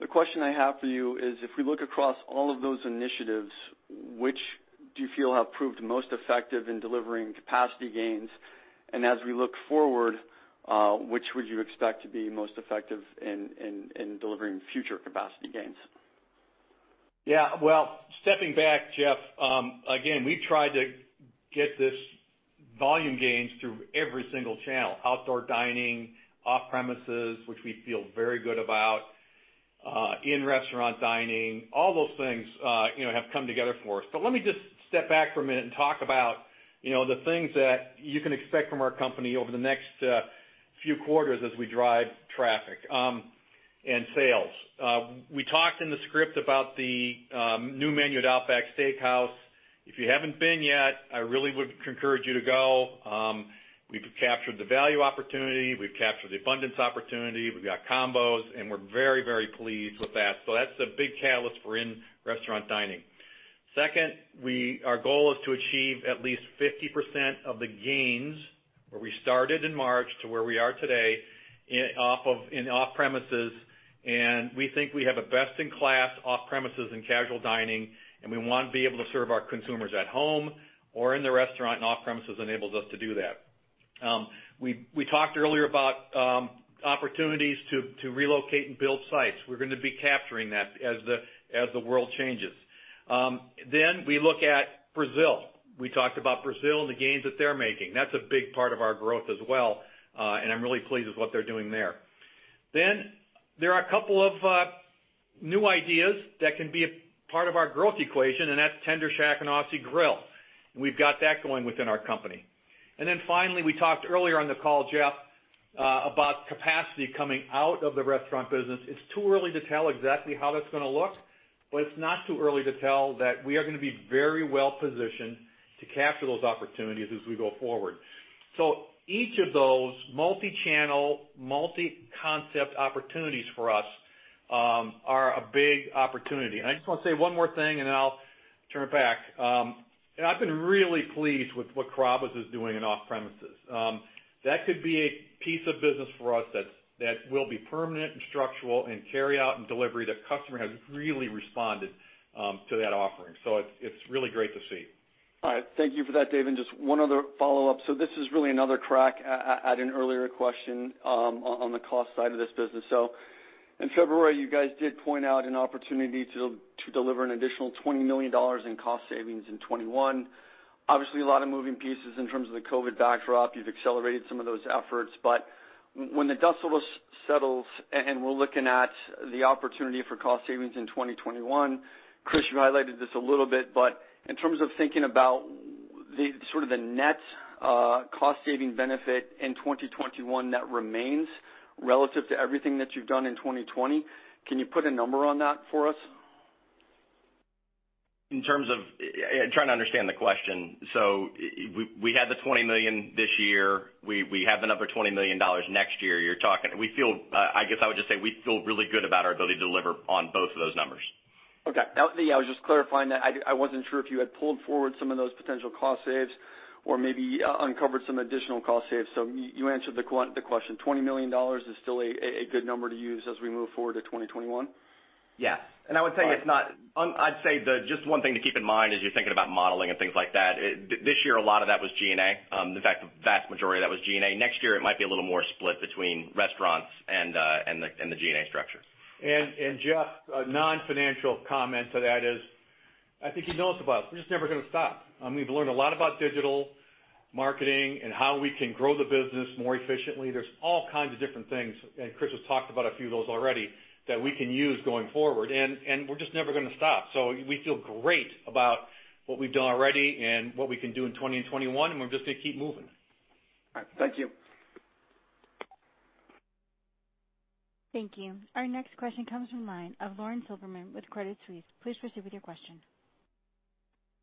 The question I have for you is, if we look across all of those initiatives, which do you feel have proved most effective in delivering capacity gains? As we look forward, which would you expect to be most effective in delivering future capacity gains? Well, stepping back, Jeff, again, we tried to get this volume gains through every single channel. Outdoor dining, off-premises, which we feel very good about, in-restaurant dining, all those things have come together for us. Let me just step back for a minute and talk about the things that you can expect from our company over the next few quarters as we drive traffic and sales. We talked in the script about the new menu at Outback Steakhouse. If you haven't been yet, I really would encourage you to go. We've captured the value opportunity. We've captured the abundance opportunity. We've got combos, and we're very pleased with that. That's a big catalyst for in-restaurant dining. Second, our goal is to achieve at least 50% of the gains where we started in March to where we are today in off-premises, and we think we have a best-in-class off-premises in casual dining, and we want to be able to serve our consumers at home or in the restaurant, and off-premises enables us to do that. We talked earlier about opportunities to relocate and build sites. We're going to be capturing that as the world changes. Then we look at Brazil. We talked about Brazil and the gains that they're making. That's a big part of our growth as well, and I'm really pleased with what they're doing there. There are a couple of new ideas that can be a part of our growth equation, and that's Tender Shack and Aussie Grill. We've got that going within our company. Finally, we talked earlier on the call, Jeff, about capacity coming out of the restaurant business. It's too early to tell exactly how that's going to look, but it's not too early to tell that we are going to be very well positioned to capture those opportunities as we go forward. Each of those multi-channel, multi-concept opportunities for us are a big opportunity. I just want to say one more thing, and then I'll turn it back. I've been really pleased with what Carrabba's is doing in off-premises. That could be a piece of business for us that will be permanent and structural in carryout and delivery. The customer has really responded to that offering. It's really great to see. All right. Thank you for that, Dave, and just one other follow-up. This is really another crack at an earlier question on the cost side of this business. In February, you guys did point out an opportunity to deliver an additional $20 million in cost savings in 2021. Obviously, a lot of moving pieces in terms of the COVID backdrop. You've accelerated some of those efforts. When the dust settles, and we're looking at the opportunity for cost savings in 2021, Chris, you highlighted this a little bit, but in terms of thinking about sort of the net cost saving benefit in 2021 that remains relative to everything that you've done in 2020, can you put a number on that for us? In terms of I'm trying to understand the question. We had the $20 million this year. We have another $20 million next year. I guess I would just say we feel really good about our ability to deliver on both of those numbers. Okay. Yeah, I was just clarifying that. I wasn't sure if you had pulled forward some of those potential cost saves or maybe uncovered some additional cost saves. You answered the question. $20 million is still a good number to use as we move forward to 2021? Yes. I would say it's not. I'd say just one thing to keep in mind as you're thinking about modeling and things like that, this year, a lot of that was G&A. In fact, the vast majority of that was G&A. Next year, it might be a little more split between restaurants and the G&A structure. Jeff, a non-financial comment to that is, I think you know this about us, we're just never going to stop. We've learned a lot about digital marketing and how we can grow the business more efficiently. There's all kinds of different things, and Chris has talked about a few of those already, that we can use going forward, and we're just never going to stop. We feel great about what we've done already and what we can do in 2020 and 2021, and we're just going to keep moving. All right. Thank you. Thank you. Our next question comes from line of Lauren Silberman with Credit Suisse. Please proceed with your question.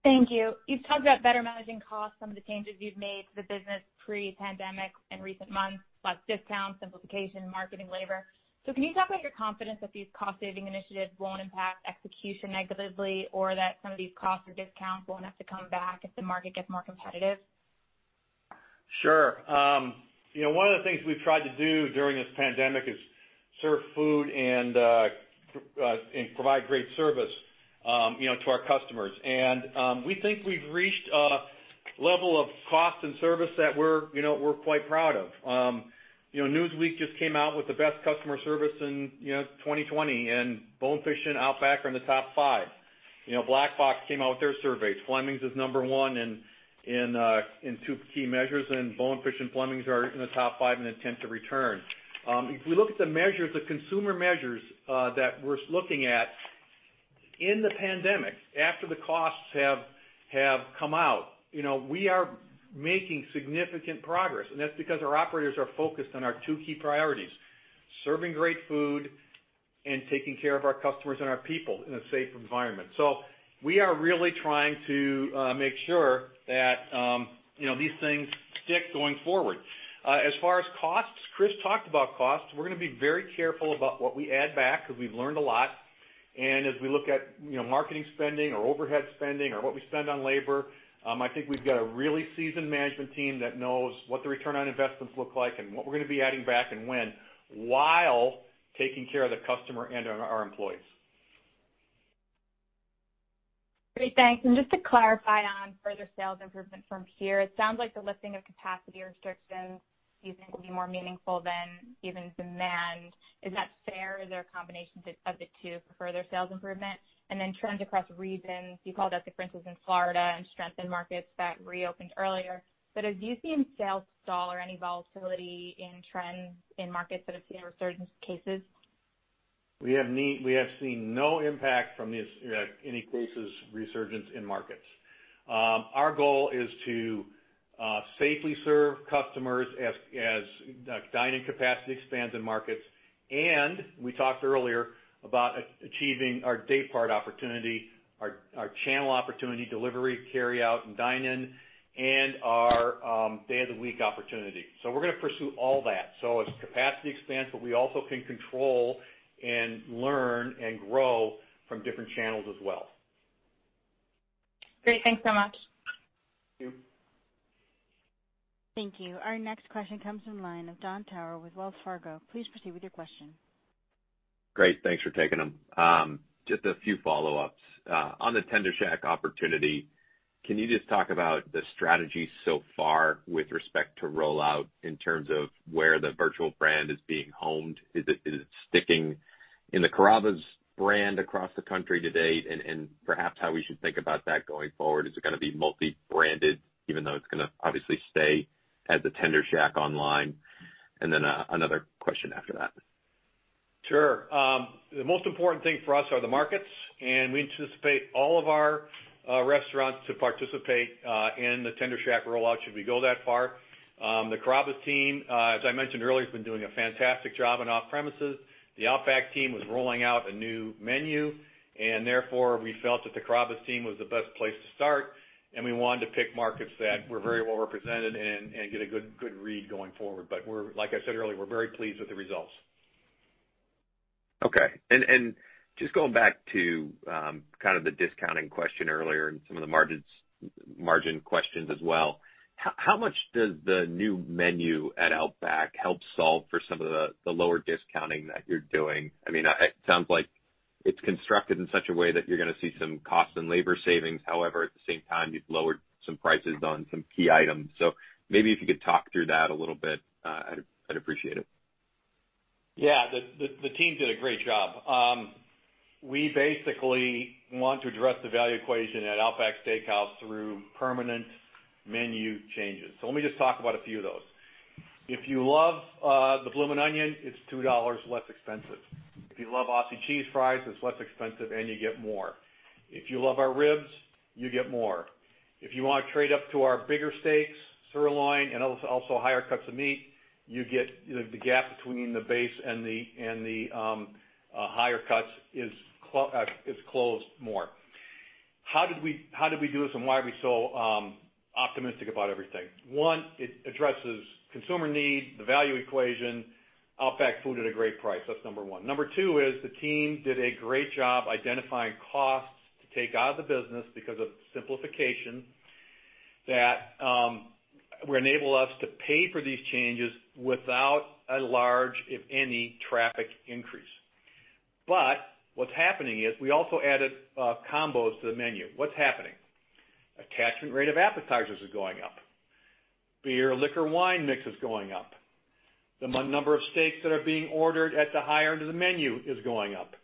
Thank you. You've talked about better managing costs, some of the changes you've made to the business pre-pandemic in recent months, like discounts, simplification, marketing, labor. Can you talk about your confidence that these cost-saving initiatives won't impact execution negatively or that some of these costs or discounts won't have to come back if the market gets more competitive? Sure. One of the things we've tried to do during this pandemic is serve food and provide great service to our customers. We think we've reached a level of cost and service that we're quite proud of. Newsweek just came out with the best customer service in 2020, and Bonefish and Outback are in the top five. Black Box came out with their survey. Fleming's is number one in two key measures, and Bonefish and Fleming's are in the top five in intent to return. If we look at the measures, the consumer measures that we're looking at, in the pandemic, after the costs have come out, we are making significant progress. That's because our operators are focused on our two key priorities, serving great food and taking care of our customers and our people in a safe environment. We are really trying to make sure that these things stick going forward. As far as costs, Chris talked about costs. We're going to be very careful about what we add back because we've learned a lot. As we look at marketing spending or overhead spending or what we spend on labor, I think we've got a really seasoned management team that knows what the return on investments look like and what we're going to be adding back and when, while taking care of the customer and our employees. Great. Thanks. Just to clarify on further sales improvement from here, it sounds like the lifting of capacity restrictions you think will be more meaningful than even demand. Is that fair? Is there a combination of the two for further sales improvement? Then trends across regions, you called out differences in Florida and strength in markets that reopened earlier. Have you seen sales stall or any volatility in trends in markets that have seen a resurgence in cases? We have seen no impact from any cases resurgence in markets. Our goal is to safely serve customers as dine-in capacity expands in markets. We talked earlier about achieving our day part opportunity, our channel opportunity, delivery, carry out, and dine in, and our day of the week opportunity. We're going to pursue all that. As capacity expands, but we also can control and learn and grow from different channels as well. Great. Thanks so much. Thank you. Thank you. Our next question comes from the line of Jon Tower with Wells Fargo. Please proceed with your question. Great. Thanks for taking them. Just a few follow-ups. On the Tender Shack opportunity, can you just talk about the strategy so far with respect to rollout in terms of where the virtual brand is being honed? Is it sticking in the Carrabba's brand across the country to date, and perhaps how we should think about that going forward? Is it going to be multi-branded even though it's going to obviously stay as a Tender Shack online? And then another question after that. Sure. The most important thing for us are the markets, and we anticipate all of our restaurants to participate in the Tender Shack rollout should we go that far. The Carrabba's team, as I mentioned earlier, has been doing a fantastic job on off-premises. The Outback team was rolling out a new menu, and therefore we felt that the Carrabba's team was the best place to start, and we wanted to pick markets that were very well represented and get a good read going forward. Like I said earlier, we're very pleased with the results. Okay. Just going back to the discounting question earlier and some of the margin questions as well, how much does the new menu at Outback help solve for some of the lower discounting that you're doing? It sounds like it's constructed in such a way that you're going to see some cost and labor savings. However, at the same time, you've lowered some prices on some key items. maybe if you could talk through that a little bit, I'd appreciate it. Yeah. The team did a great job. We basically want to address the value equation at Outback Steakhouse through permanent menu changes. Let me just talk about a few of those. If you love the Bloomin' Onion, it's $2 less expensive. If you love Aussie Cheese Fries, it's less expensive, and you get more. If you love our ribs, you get more. If you want to trade up to our bigger steaks, sirloin, and also higher cuts of meat, the gap between the base and the higher cuts is closed more. How did we do this, and why are we so optimistic about everything? One, it addresses consumer need, the value equation, Outback food at a great price. That's number one. Number two is the team did a great job identifying costs to take out of the business because of simplification that will enable us to pay for these changes without a large, if any, traffic increase. What's happening is we also added combos to the menu. What's happening? Attachment rate of appetizers is going up. Beer, liquor, wine mix is going up. The number of steaks that are being ordered at the higher end of the menu is going up.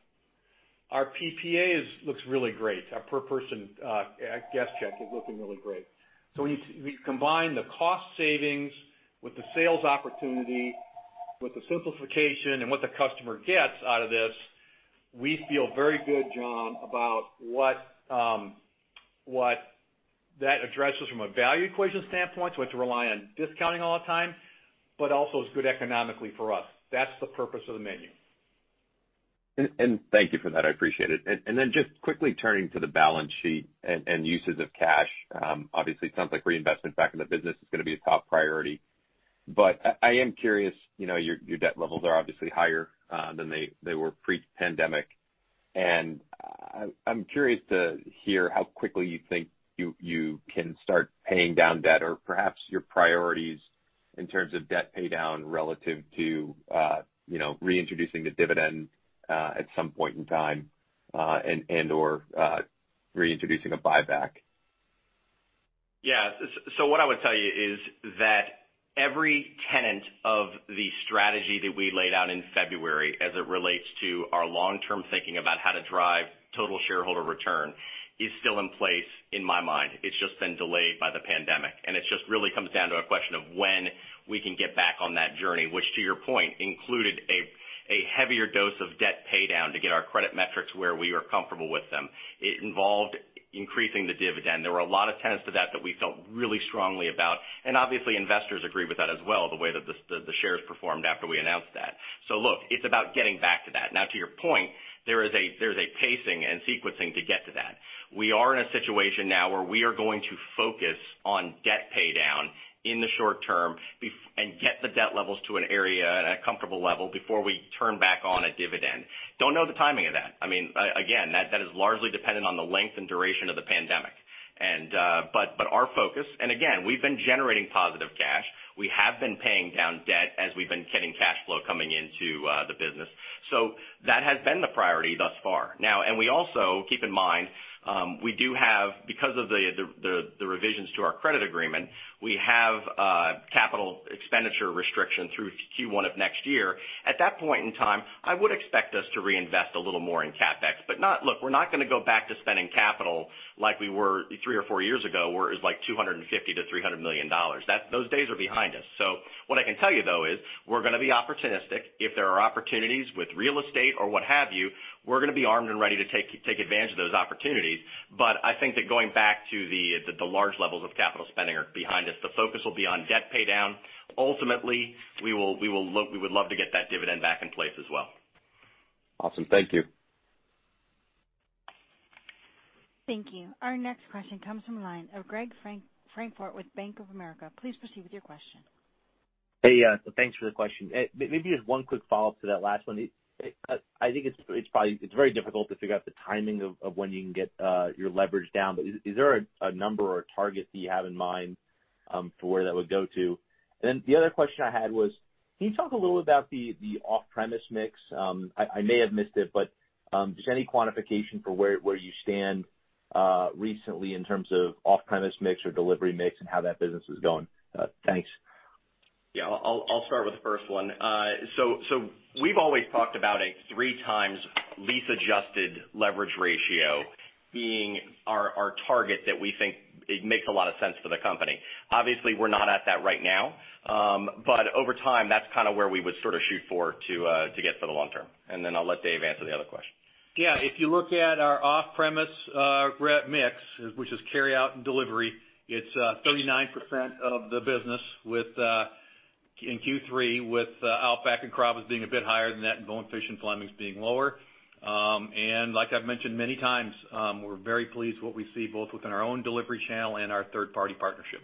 Our PPAs looks really great. Our per person guest check is looking really great. We combine the cost savings with the sales opportunity, with the simplification and what the customer gets out of this. We feel very good, Jon, about what that addresses from a value equation standpoint, so we have to rely on discounting all the time, but also is good economically for us. That's the purpose of the menu. Thank you for that. I appreciate it. Just quickly turning to the balance sheet and uses of cash. Obviously, it sounds like reinvestment back in the business is going to be a top priority. I am curious, your debt levels are obviously higher than they were pre-pandemic, and I'm curious to hear how quickly you think you can start paying down debt or perhaps your priorities in terms of debt paydown relative to reintroducing the dividend at some point in time and/or reintroducing a buyback. Yeah. What I would tell you is that every tenet of the strategy that we laid out in February as it relates to our long-term thinking about how to drive total shareholder return is still in place in my mind. It's just been delayed by the pandemic, and it just really comes down to a question of when we can get back on that journey, which to your point, included a heavier dose of debt paydown to get our credit metrics where we were comfortable with them. It involved increasing the dividend. There were a lot of tenets to that that we felt really strongly about. Obviously, investors agree with that as well, the way that the shares performed after we announced that. Look, it's about getting back to that. Now, to your point, there is a pacing and sequencing to get to that. We are in a situation now where we are going to focus on debt paydown in the short term and get the debt levels to an area at a comfortable level before we turn back on a dividend. Don't know the timing of that. Again, that is largely dependent on the length and duration of the pandemic. Our focus, and again, we've been generating positive cash. We have been paying down debt as we've been getting cash flow coming into the business. That has been the priority thus far. Now, and we also, keep in mind, because of the revisions to our credit agreement, we have a capital expenditure restriction through Q1 of next year. At that point in time, I would expect us to reinvest a little more in CapEx, but look, we're not going to go back to spending capital like we were three or four years ago, where it was like $250 million-$300 million. Those days are behind us. What I can tell you, though, is we're going to be opportunistic. If there are opportunities with real estate or what have you, we're going to be armed and ready to take advantage of those opportunities. I think that going back to the large levels of capital spending are behind us. The focus will be on debt paydown. Ultimately, we would love to get that dividend back in place as well. Awesome. Thank you. Thank you. Our next question comes from the line of Greg Francfort with Bank of America. Please proceed with your question. Hey, thanks for the question. Maybe just one quick follow-up to that last one. I think it's very difficult to figure out the timing of when you can get your leverage down. Is there a number or a target that you have in mind for where that would go to? The other question I had was, can you talk a little about the off-premise mix? I may have missed it, but just any quantification for where you stand recently in terms of off-premise mix or delivery mix and how that business is going? Thanks. Yeah, I'll start with the first one. We've always talked about a three times lease adjusted leverage ratio being our target that we think it makes a lot of sense for the company. Obviously, we're not at that right now. Over time, that's where we would shoot for to get for the long term. I'll let Dave answer the other question. Yeah. If you look at our off-premise mix, which is carry out and delivery, it's 39% of the business in Q3, with Outback and Carrabba's being a bit higher than that, and Bonefish and Fleming's being lower. Like I've mentioned many times, we're very pleased what we see both within our own delivery channel and our third-party partnership.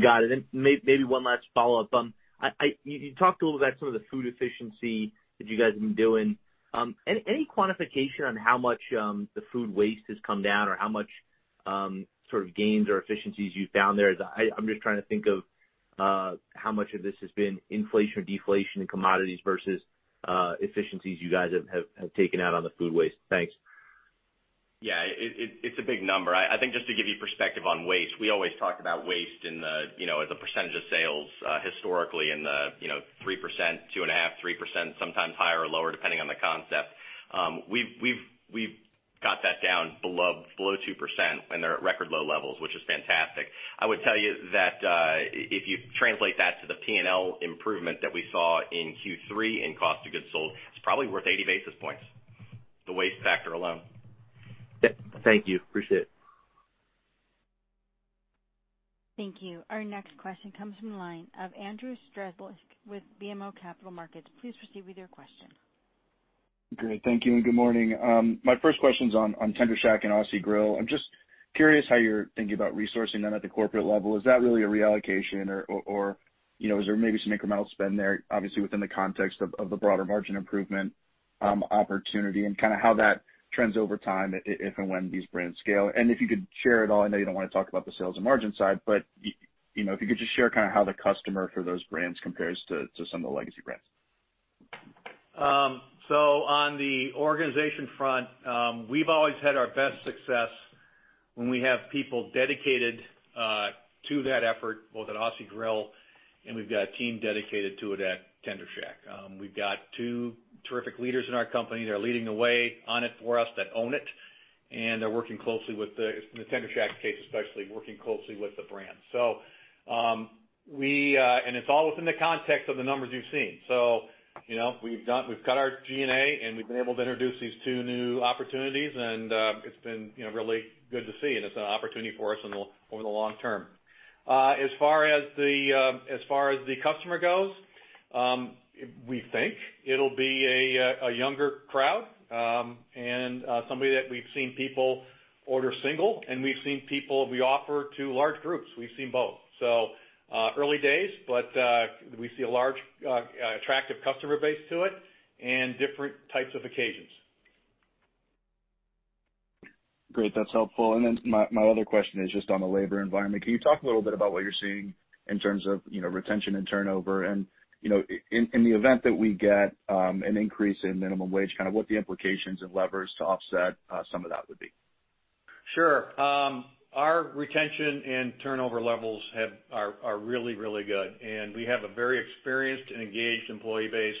Got it. Maybe one last follow-up. You talked a little about some of the food efficiency that you guys have been doing. Any quantification on how much the food waste has come down or how much gains or efficiencies you found there? I'm just trying to think of how much of this has been inflation or deflation in commodities versus efficiencies you guys have taken out on the food waste. Thanks. Yeah. It's a big number. I think just to give you perspective on waste, we always talk about waste as a percentage of sales historically in the 3%, 2.5%, 3%, sometimes higher or lower, depending on the concept. We've got that down below 2%, and they're at record low levels, which is fantastic. I would tell you that if you translate that to the P&L improvement that we saw in Q3 in cost of goods sold, it's probably worth 80 basis points. The waste factor alone. Thank you. Appreciate it. Thank you. Our next question comes from the line of Andrew Strelzik with BMO Capital Markets. Please proceed with your question. Great. Thank you and good morning. My first question's on Tender Shack and Aussie Grill. I'm just curious how you're thinking about resourcing them at the corporate level. Is that really a reallocation or is there maybe some incremental spend there, obviously within the context of the broader margin improvement opportunity and how that trends over time if and when these brands scale? If you could share at all, I know you don't want to talk about the sales and margin side, but if you could just share how the customer for those brands compares to some of the legacy brands. On the organization front, we've always had our best success when we have people dedicated to that effort, both at Aussie Grill, and we've got a team dedicated to it at Tender Shack. We've got two terrific leaders in our company that are leading the way on it for us that own it, and they're working closely with the Tender Shack case, especially working closely with the brand. It's all within the context of the numbers you've seen. We've cut our G&A, and we've been able to introduce these two new opportunities, and it's been really good to see, and it's an opportunity for us over the long term. As far as the customer goes, we think it'll be a younger crowd, and somebody that we've seen people order single, and we've seen people we offer to large groups. We've seen both. Early days, but we see a large, attractive customer base to it and different types of occasions. Great. That's helpful. My other question is just on the labor environment. Can you talk a little bit about what you're seeing in terms of retention and turnover and, in the event that we get an increase in minimum wage, what the implications and levers to offset some of that would be? Sure. Our retention and turnover levels are really, really good, and we have a very experienced and engaged employee base.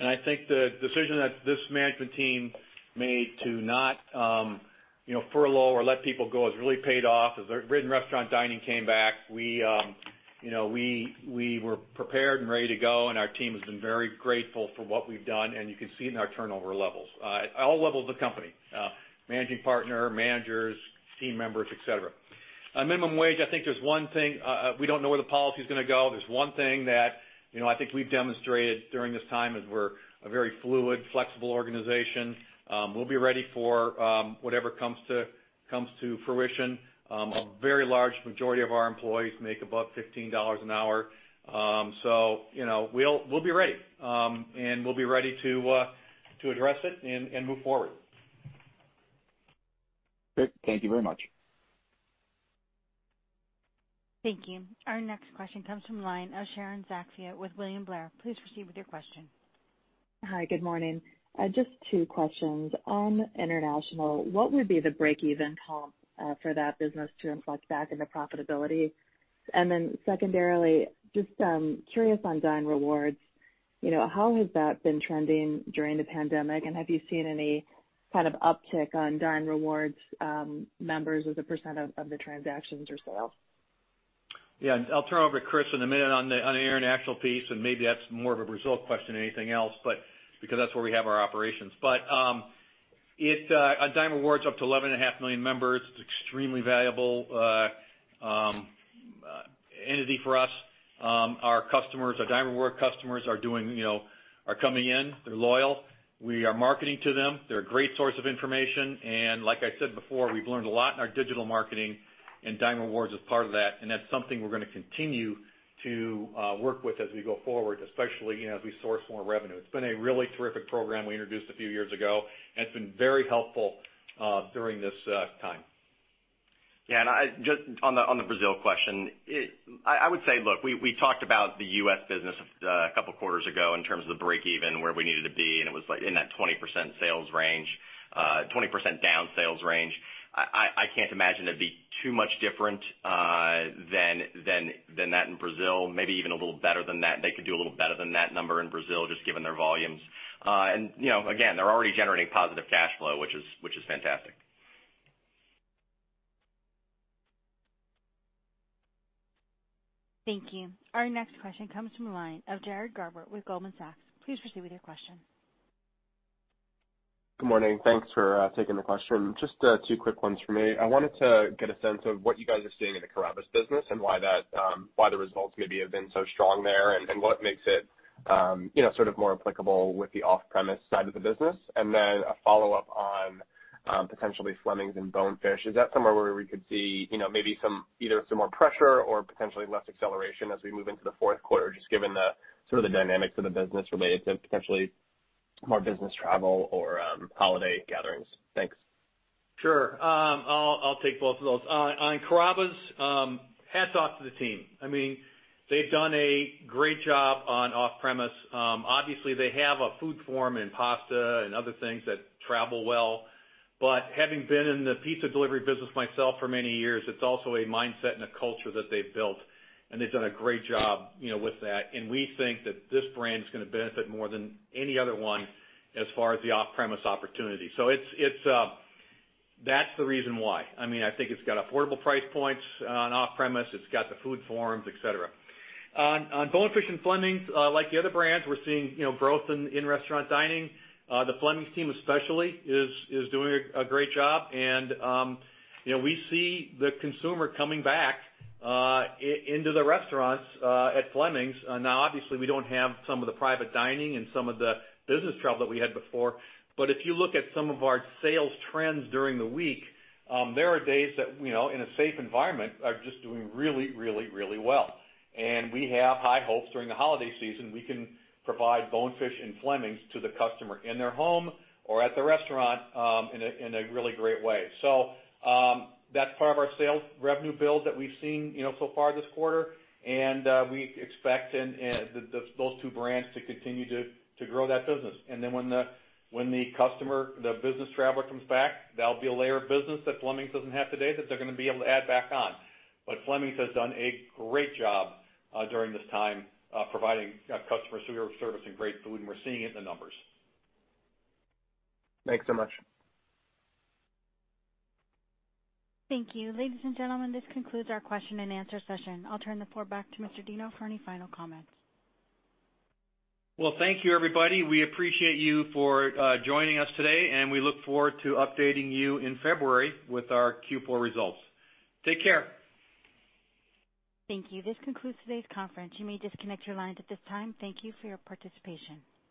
I think the decision that this management team made to not furlough or let people go has really paid off. As in-restaurant dining came back, we were prepared and ready to go, and our team has been very grateful for what we've done, and you can see it in our turnover levels. At all levels of the company, managing partner, managers, team members, et cetera. On minimum wage, I think there's one thing, we don't know where the policy's going to go. There's one thing that I think we've demonstrated during this time is we're a very fluid, flexible organization. We'll be ready for whatever comes to fruition. A very large majority of our employees make above $15 an hour. We'll be ready. We'll be ready to address it and move forward. Great. Thank you very much. Thank you. Our next question comes from the line of Sharon Zackfia with William Blair. Please proceed with your question. Hi, good morning. Just two questions. On international, what would be the break-even comp for that business to inflect back into profitability? Secondarily, just curious on Dine Rewards. How has that been trending during the pandemic, and have you seen any kind of uptick on Dine Rewards members as a percent of the transactions or sales? Yeah, I'll turn it over to Chris in a minute on the international piece, and maybe that's more of a Brazil question than anything else, because that's where we have our operations. Dine Rewards is up to 11.5 million members. It's extremely valuable entity for us. Our Dine Reward customers are coming in. They're loyal. We are marketing to them. They're a great source of information. Like I said before, we've learned a lot in our digital marketing, and Dine Rewards is part of that. That's something we're going to continue to work with as we go forward, especially as we source more revenue. It's been a really terrific program we introduced a few years ago, and it's been very helpful during this time. Yeah. On the Brazil question, I would say, look, we talked about the U.S. business a couple of quarters ago in terms of the break even, where we needed to be, and it was in that 20% down sales range. I can't imagine it'd be too much different than that in Brazil, maybe even a little better than that. They could do a little better than that number in Brazil, just given their volumes. Again, they're already generating positive cash flow, which is fantastic. Thank you. Our next question comes from the line of Jared Garber with Goldman Sachs. Please proceed with your question. Good morning. Thanks for taking the question. Just two quick ones from me. I wanted to get a sense of what you guys are seeing in the Carrabba's business and why the results maybe have been so strong there and what makes it sort of more applicable with the off-premise side of the business. Then a follow-up on potentially Fleming's and Bonefish. Is that somewhere where we could see maybe either some more pressure or potentially less acceleration as we move into the fourth quarter, just given the sort of the dynamics of the business related to potentially more business travel or holiday gatherings? Thanks. Sure. I'll take both of those. On Carrabba's, hats off to the team. They've done a great job on off-premise. Obviously, they have a food form in pasta and other things that travel well. Having been in the pizza delivery business myself for many years, it's also a mindset and a culture that they've built, and they've done a great job with that. We think that this brand is going to benefit more than any other one as far as the off-premise opportunity. That's the reason why. I think it's got affordable price points on off-premise. It's got the food forms, et cetera. On Bonefish and Fleming's, like the other brands, we're seeing growth in in-restaurant dining. The Fleming's team especially is doing a great job. We see the consumer coming back into the restaurants at Fleming's. Now obviously, we don't have some of the private dining and some of the business travel that we had before. If you look at some of our sales trends during the week, there are days that, in a safe environment, are just doing really, really well. We have high hopes during the holiday season, we can provide Bonefish and Fleming's to the customer in their home or at the restaurant in a really great way. That's part of our sales revenue build that we've seen so far this quarter, and we expect those two brands to continue to grow that business. When the customer, the business traveler comes back, that'll be a layer of business that Fleming's doesn't have today that they're going to be able to add back on. Fleming's has done a great job during this time providing customers who are servicing great food, and we're seeing it in the numbers. Thanks so much. Thank you. Ladies and gentlemen, this concludes our question and answer session. I'll turn the floor back to Mr. Deno for any final comments. Well, thank you, everybody. We appreciate you for joining us today, and we look forward to updating you in February with our Q4 results. Take care. Thank you. This concludes today's conference. You may disconnect your lines at this time. Thank you for your participation.